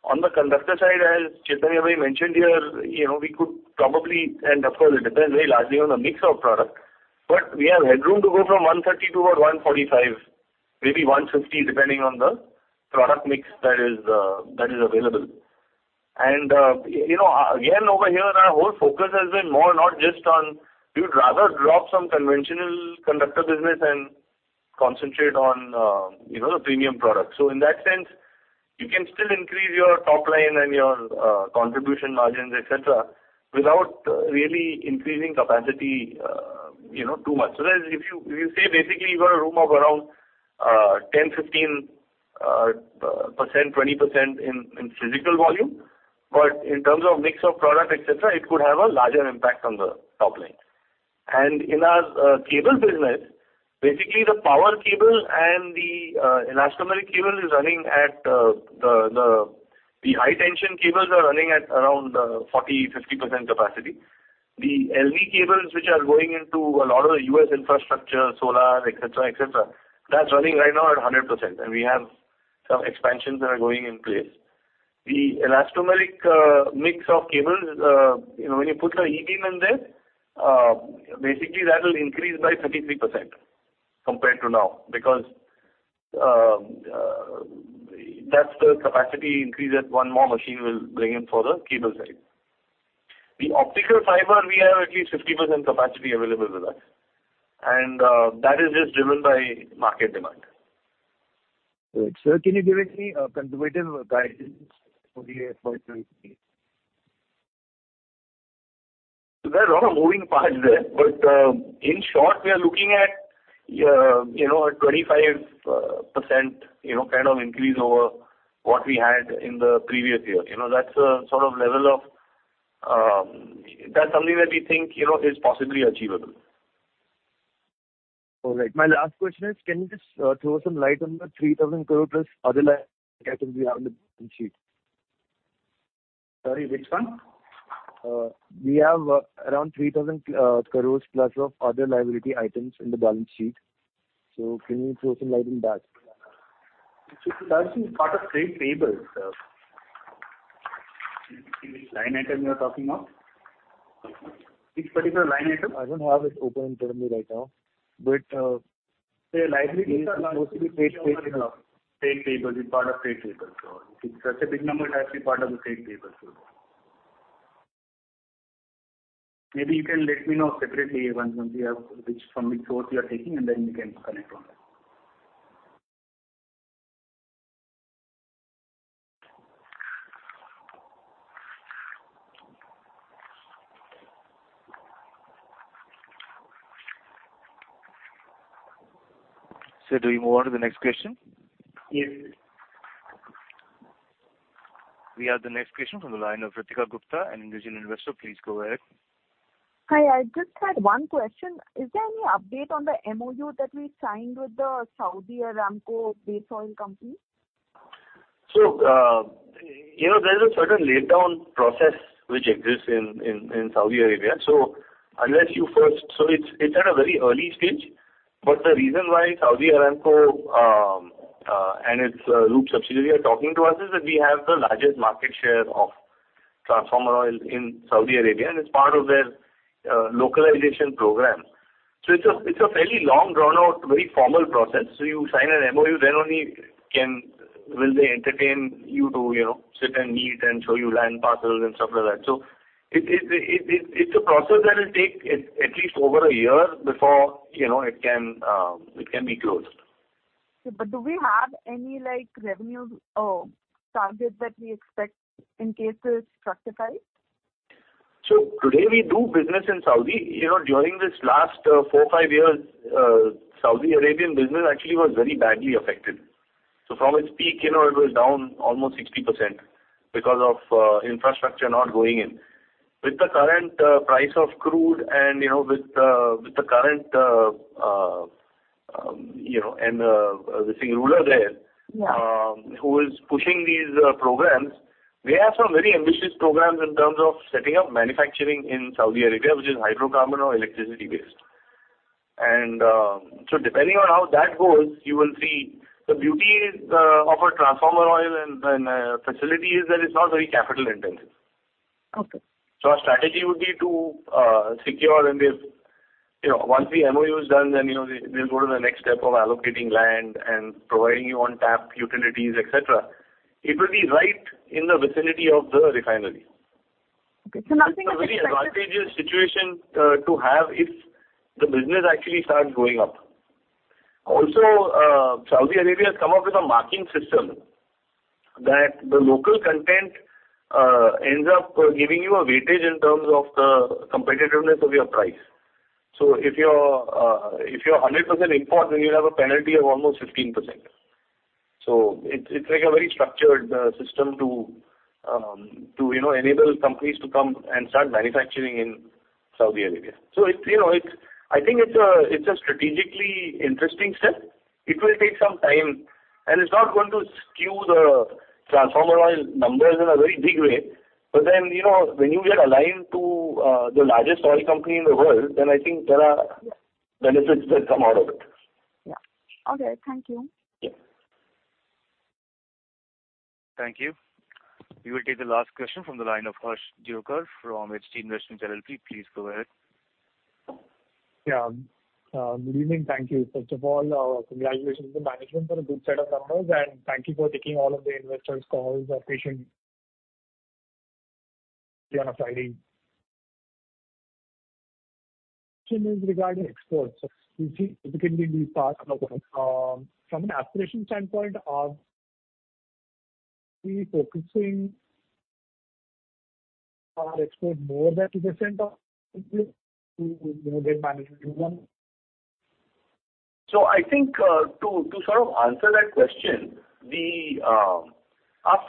On the conductor side, as Chaitanya mentioned here, you know, we could probably, and of course, it depends very largely on the mix of product, but we have headroom to go from 130 to about 145, maybe 150, depending on the product mix that is available. You know, again, over here, our whole focus has been more not just on we'd rather drop some conventional conductor business and concentrate on, you know, the premium product. So in that sense, you can still increase your top line and your, contribution margins, et cetera, without really increasing capacity, you know, too much. So there is if you, if you say basically you've got a room of around, 10, 15%, 20% in physical volume, but in terms of mix of product, et cetera, it could have a larger impact on the top line. In our cable business, basically the power cable and the, elastomeric cable is running at the. The high tension cables are running at around, 40%-50% capacity. The LV cables which are going into a lot of the U.S. infrastructure, solar, et cetera, et cetera, that's running right now at 100%, and we have some expansions that are going in place. The elastomeric mix of cables, you know, when you put the E-beam in there, basically that will increase by 33% compared to now because that's the capacity increase that one more machine will bring in for the cable side. The optical fiber we have at least 50% capacity available with us, and that is just driven by market demand. Great. Sir, can you give me a conservative guidance for the year for 2023? There are a lot of moving parts there, but in short, we are looking at, you know, a 25% kind of increase over what we had in the previous year. You know, that's something that we think, you know, is possibly achievable. All right. My last question is, can you just throw some light on the 3,000 crore+ other Sorry, which one? We have around 3,000 crores+ of other liability items in the balance sheet. Can you throw some light on that? It should be part of trade payables. Which line item you are talking of? Which particular line item? I don't have it open in front of me right now, but. The liabilities are mostly trade payables. It's part of trade payables. If it's such a big number, it has to be part of the trade payables. Maybe you can let me know separately once you have which from which source you are taking, and then we can comment on that. Sir, do we move on to the next question? Yes. We have the next question from the line of Ritika Gupta, an individual investor. Please go ahead. Hi. I just had one question. Is there any update on the MoU that we signed with the Saudi Aramco base oil company? You know, there's a certain laid down process which exists in Saudi Arabia. It's at a very early stage. The reason why Saudi Aramco and its group subsidiary are talking to us is that we have the largest market share of transformer oil in Saudi Arabia, and it's part of their localization program. It's a fairly long drawn out, very formal process. You sign an MoU, then only will they entertain you to, you know, sit and eat and show you land parcels and stuff like that. It's a process that will take at least over a year before, you know, it can be closed. Do we have any like revenue targets that we expect in case this fructifies? Today we do business in Saudi. During this last 4-5 years, Saudi Arabian business actually was very badly affected. From its peak, it was down almost 60% because of infrastructure not going in. With the current price of crude and with the current and the ruler there. Yeah. Who is pushing these programs? We have some very ambitious programs in terms of setting up manufacturing in Saudi Arabia, which is hydrocarbon or electricity based. Depending on how that goes, you will see the beauty is of a transformer oil and facility is that it's not very capital intensive. Okay. Our strategy would be to secure and if once the MoU is done, then they'll go to the next step of allocating land and providing you on-tap utilities, et cetera. It will be right in the vicinity of the refinery. Okay. Nothing that you expect. It's a very advantageous situation to have if the business actually starts going up. Saudi Arabia has come up with a marking system that the local content ends up giving you a weightage in terms of the competitiveness of your price. If you're 100% import, then you'll have a penalty of almost 15%. It's like a very structured system to, you know, enable companies to come and start manufacturing in Saudi Arabia. It's, you know, it's. I think it's a strategically interesting step. It will take some time, and it's not going to skew the transformer oil numbers in a very big way. Then, you know, when you get aligned to the largest oil company in the world, then I think there are benefits that come out of it. Yeah. Okay. Thank you. Yeah. Thank you. We will take the last question from the line of Harsh Deokar from HT Investments LLP. Please go ahead. Yeah. Good evening. Thank you. First of all, congratulations to management for a good set of numbers, and thank you for taking all of the investors' calls patiently on a Friday. Question is regarding exports. You see, typically we start from an aspiration standpoint. Are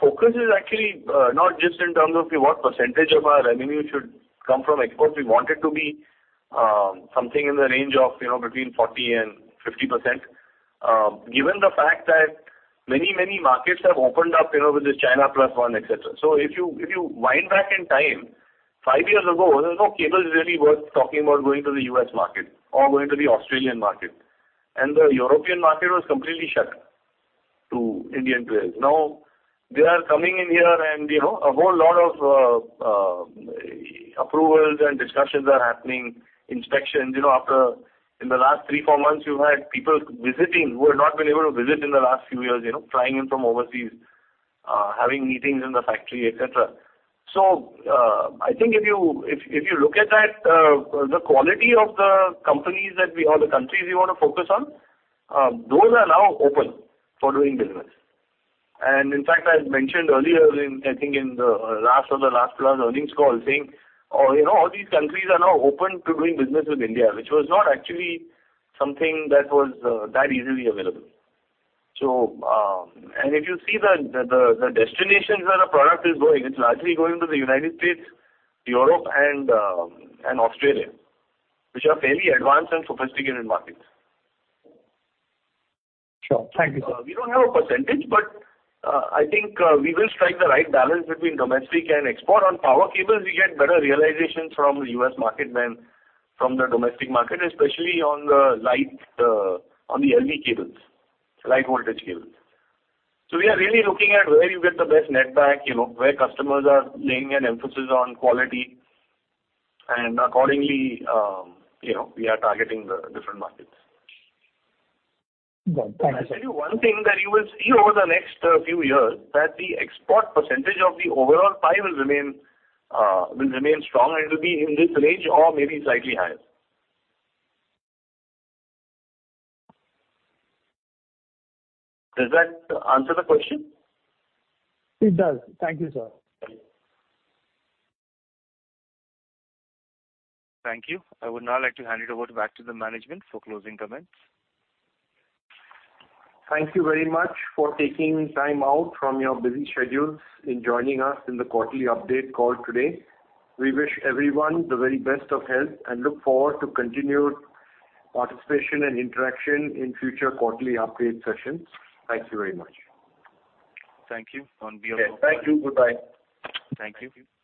we focusing our export more than percent of to, you know, get management. I think to sort of answer that question, our focus is actually not just in terms of what percentage of our revenue should come from exports. We want it to be something in the range of, you know, between 40% and 50%. Given the fact that many markets have opened up, you know, with this China Plus One, et cetera. If you wind back in time, five years ago, there was no cable really worth talking about going to the U.S. market or going to the Australian market. The European market was completely shut to Indian cables. Now, they are coming in here and, you know, a whole lot of approvals and discussions are happening, inspections, you know, after. In the last 3, 4 months, you've had people visiting who have not been able to visit in the last few years, you know, flying in from overseas, having meetings in the factory, et cetera. I think if you look at that, the quality of the companies that we or the countries we wanna focus on, those are now open for doing business. In fact, I mentioned earlier in, I think in the last plus earnings call saying, you know, all these countries are now open to doing business with India, which was not actually something that was, that easily available. If you see the destinations where the product is going, it's largely going to the United States, Europe and Australia, which are fairly advanced and sophisticated markets. Sure. Thank you, sir. We don't have a percentage, but I think we will strike the right balance between domestic and export. On power cables, we get better realization from U.S. market than from the domestic market, especially on the LV cables, low voltage cables. We are really looking at where you get the best netback, you know, where customers are laying an emphasis on quality, and accordingly, you know, we are targeting the different markets. Right. Thank you. I'll tell you one thing that you will see over the next few years that the export percentage of the overall pie will remain strong, and it'll be in this range or maybe slightly higher. Does that answer the question? It does. Thank you, sir. Thank you. I would now like to hand it over back to the management for closing comments. Thank you very much for taking time out from your busy schedules in joining us in the quarterly update call today. We wish everyone the very best of health and look forward to continued participation and interaction in future quarterly update sessions. Thank you very much. Thank you. Okay. Thank you. Goodbye. Thank you.